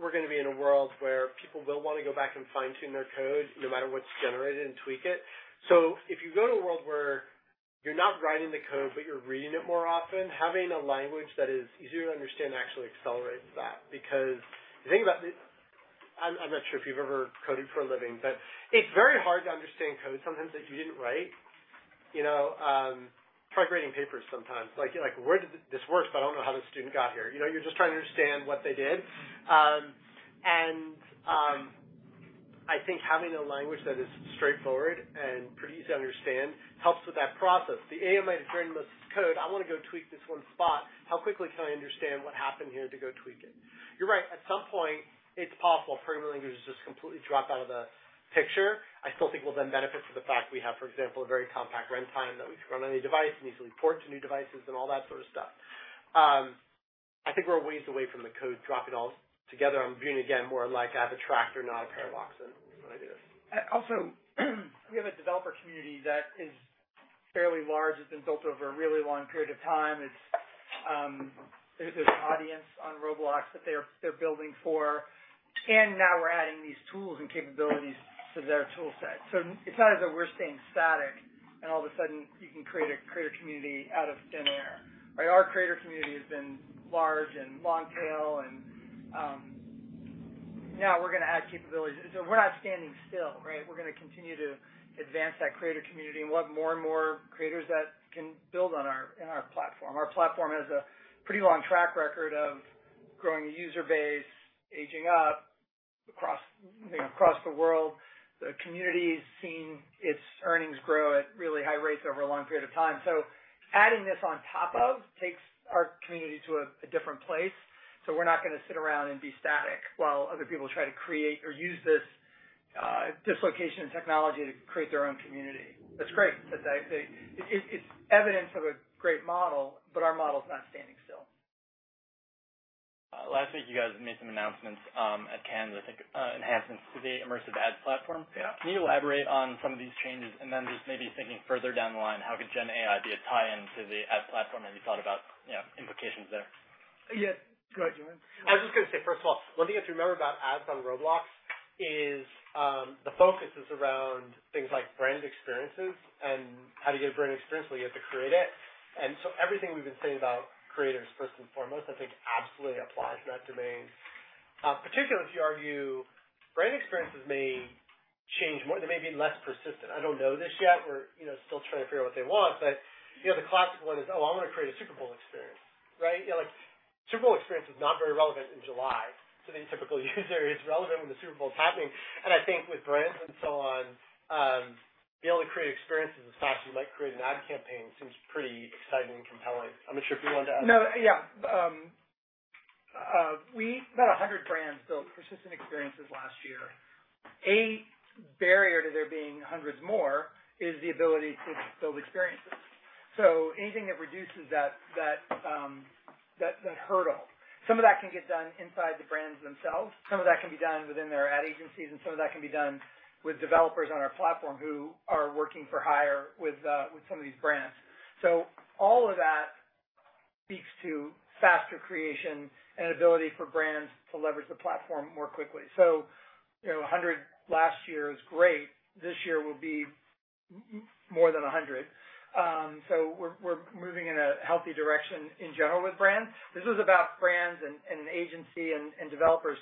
we're going to be in a world where people will want to go back and fine-tune their code, no matter what's generated, and tweak it. If you go to a world where you're not writing the code, but you're reading it more often, having a language that is easier to understand actually accelerates that. The thing about it, I'm not sure if you've ever coded for a living, but it's very hard to understand code sometimes that you didn't write. You know, try grading papers sometimes. Like, you're like: Where did this works, but I don't know how this student got here. You know, you're just trying to understand what they did. I think having a language that is straightforward and pretty easy to understand helps with that process. The AI might have written this code. I want to go tweak this one spot. How quickly can I understand what happened here to go tweak it? You're right. At some point, it's possible programming languages just completely drop out of the picture. I still think we'll then benefit from the fact we have, for example, a very compact runtime that we can run on any device and easily port to new devices and all that sort of stuff. I think we're a ways away from the code, drop it all together, and being, again, more like, I have a tractor, not a pair of oxen, when I do this. We have a developer community that is fairly large. It's been built over a really long period of time. It's, there's an audience on Roblox that they're building for, and now we're adding these tools and capabilities to their tool set. It's not as if we're staying static, and all of a sudden, you can create a creator community out of thin air, right? Our creator community has been large and long tail, and now we're going to add capabilities. We're not standing still, right? We're going to continue to advance that creator community and we'll have more and more creators that can build in our platform. Our platform has a pretty long track record of growing a user base, aging up across, you know, across the world. The community's seen its earnings grow at really high rates over a long period of time. Adding this on top of takes our community to a different place. We're not going to sit around and be static while other people try to create or use this dislocation in technology to create their own community. That's great. It's evidence of a great model. Our model is not standing still. Last week, you guys made some announcements, at Cannes, I think, enhancements to the immersive ad platform. Yeah. Can you elaborate on some of these changes? Then just maybe thinking further down the line, how could Gen AI be a tie-in to the ad platform? Have you thought about, you know, implications there? Yeah. Go ahead, Dan. I was just going to say, first of all, one thing you have to remember about ads on Roblox is, the focus is around things like brand experiences and how do you get a brand experience? Well, you have to create it. Everything we've been saying about creators, first and foremost, I think absolutely applies in that domain. Particularly if you argue brand experiences may change more, they may be less persistent. I don't know this yet. We're, you know, still trying to figure out what they want, but, you know, the classic one is:, Oh, I want to create a Super Bowl experience, right? You know, like, Super Bowl experience is not very relevant in July to the typical user. It's relevant when the Super Bowl is happening. I think with brands and so on, be able to create experiences as fast as you might create an ad campaign seems pretty exciting and compelling. I'm not sure if you wanted to add? No. Yeah. About 100 brands built persistent experiences last year. A barrier to there being hundreds more is the ability to build experiences. Anything that reduces that hurdle, some of that can get done inside the brands themselves, some of that can be done within their ad agencies, and some of that can be done with developers on our platform who are working for hire with some of these brands. All of that speaks to faster creation and ability for brands to leverage the platform more quickly. You know, 100 last year is great. This year will be more than 100. We're moving in a healthy direction in general with brands. This is about brands and agency and developers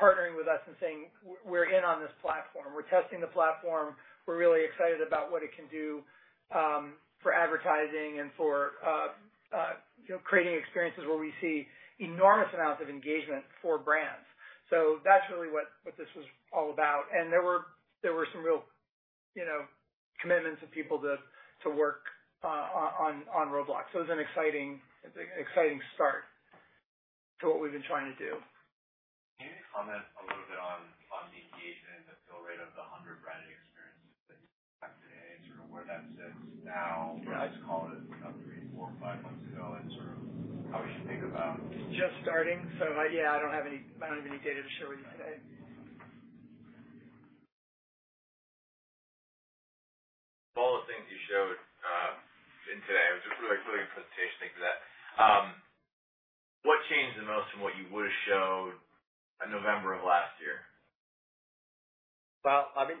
partnering with us and saying, We're in on this platform. We're testing the platform. We're really excited about what it can do, for advertising and for, you know, creating experiences where we see enormous amounts of engagement for brands. That's really what this was all about. There were some real, you know, commitments of people to work on Roblox. It was an exciting, it's an exciting start to what we've been trying to do. Can you comment a little bit on the engagement and the fill rate of the 100 branded experiences that sort of where that sits now? Yeah. I just called it three, four, five months ago, and sort of how we should think about- Just starting. Yeah, I don't have any data to share with you today. Of all the things you showed, in today, just really a presentation like that, what changed the most from what you would have showed in November of last year? Well, the only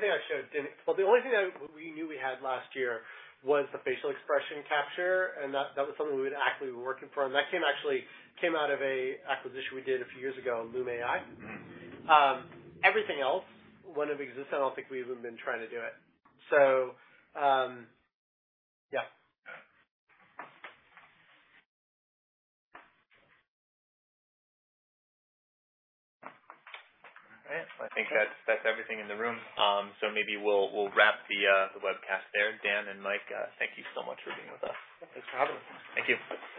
thing that we knew we had last year was the facial expression capture, and that was something we had actually been working from. That came actually out of a acquisition we did a few years ago, Loom.ai. Mm-hmm. Everything else wouldn't have existed. I don't think we even been trying to do it. Yeah. Yeah. All right. I think that's everything in the room. Maybe we'll wrap the webcast there. Dan and Mike, thank you so much for being with us. Thanks for having us. Thank you.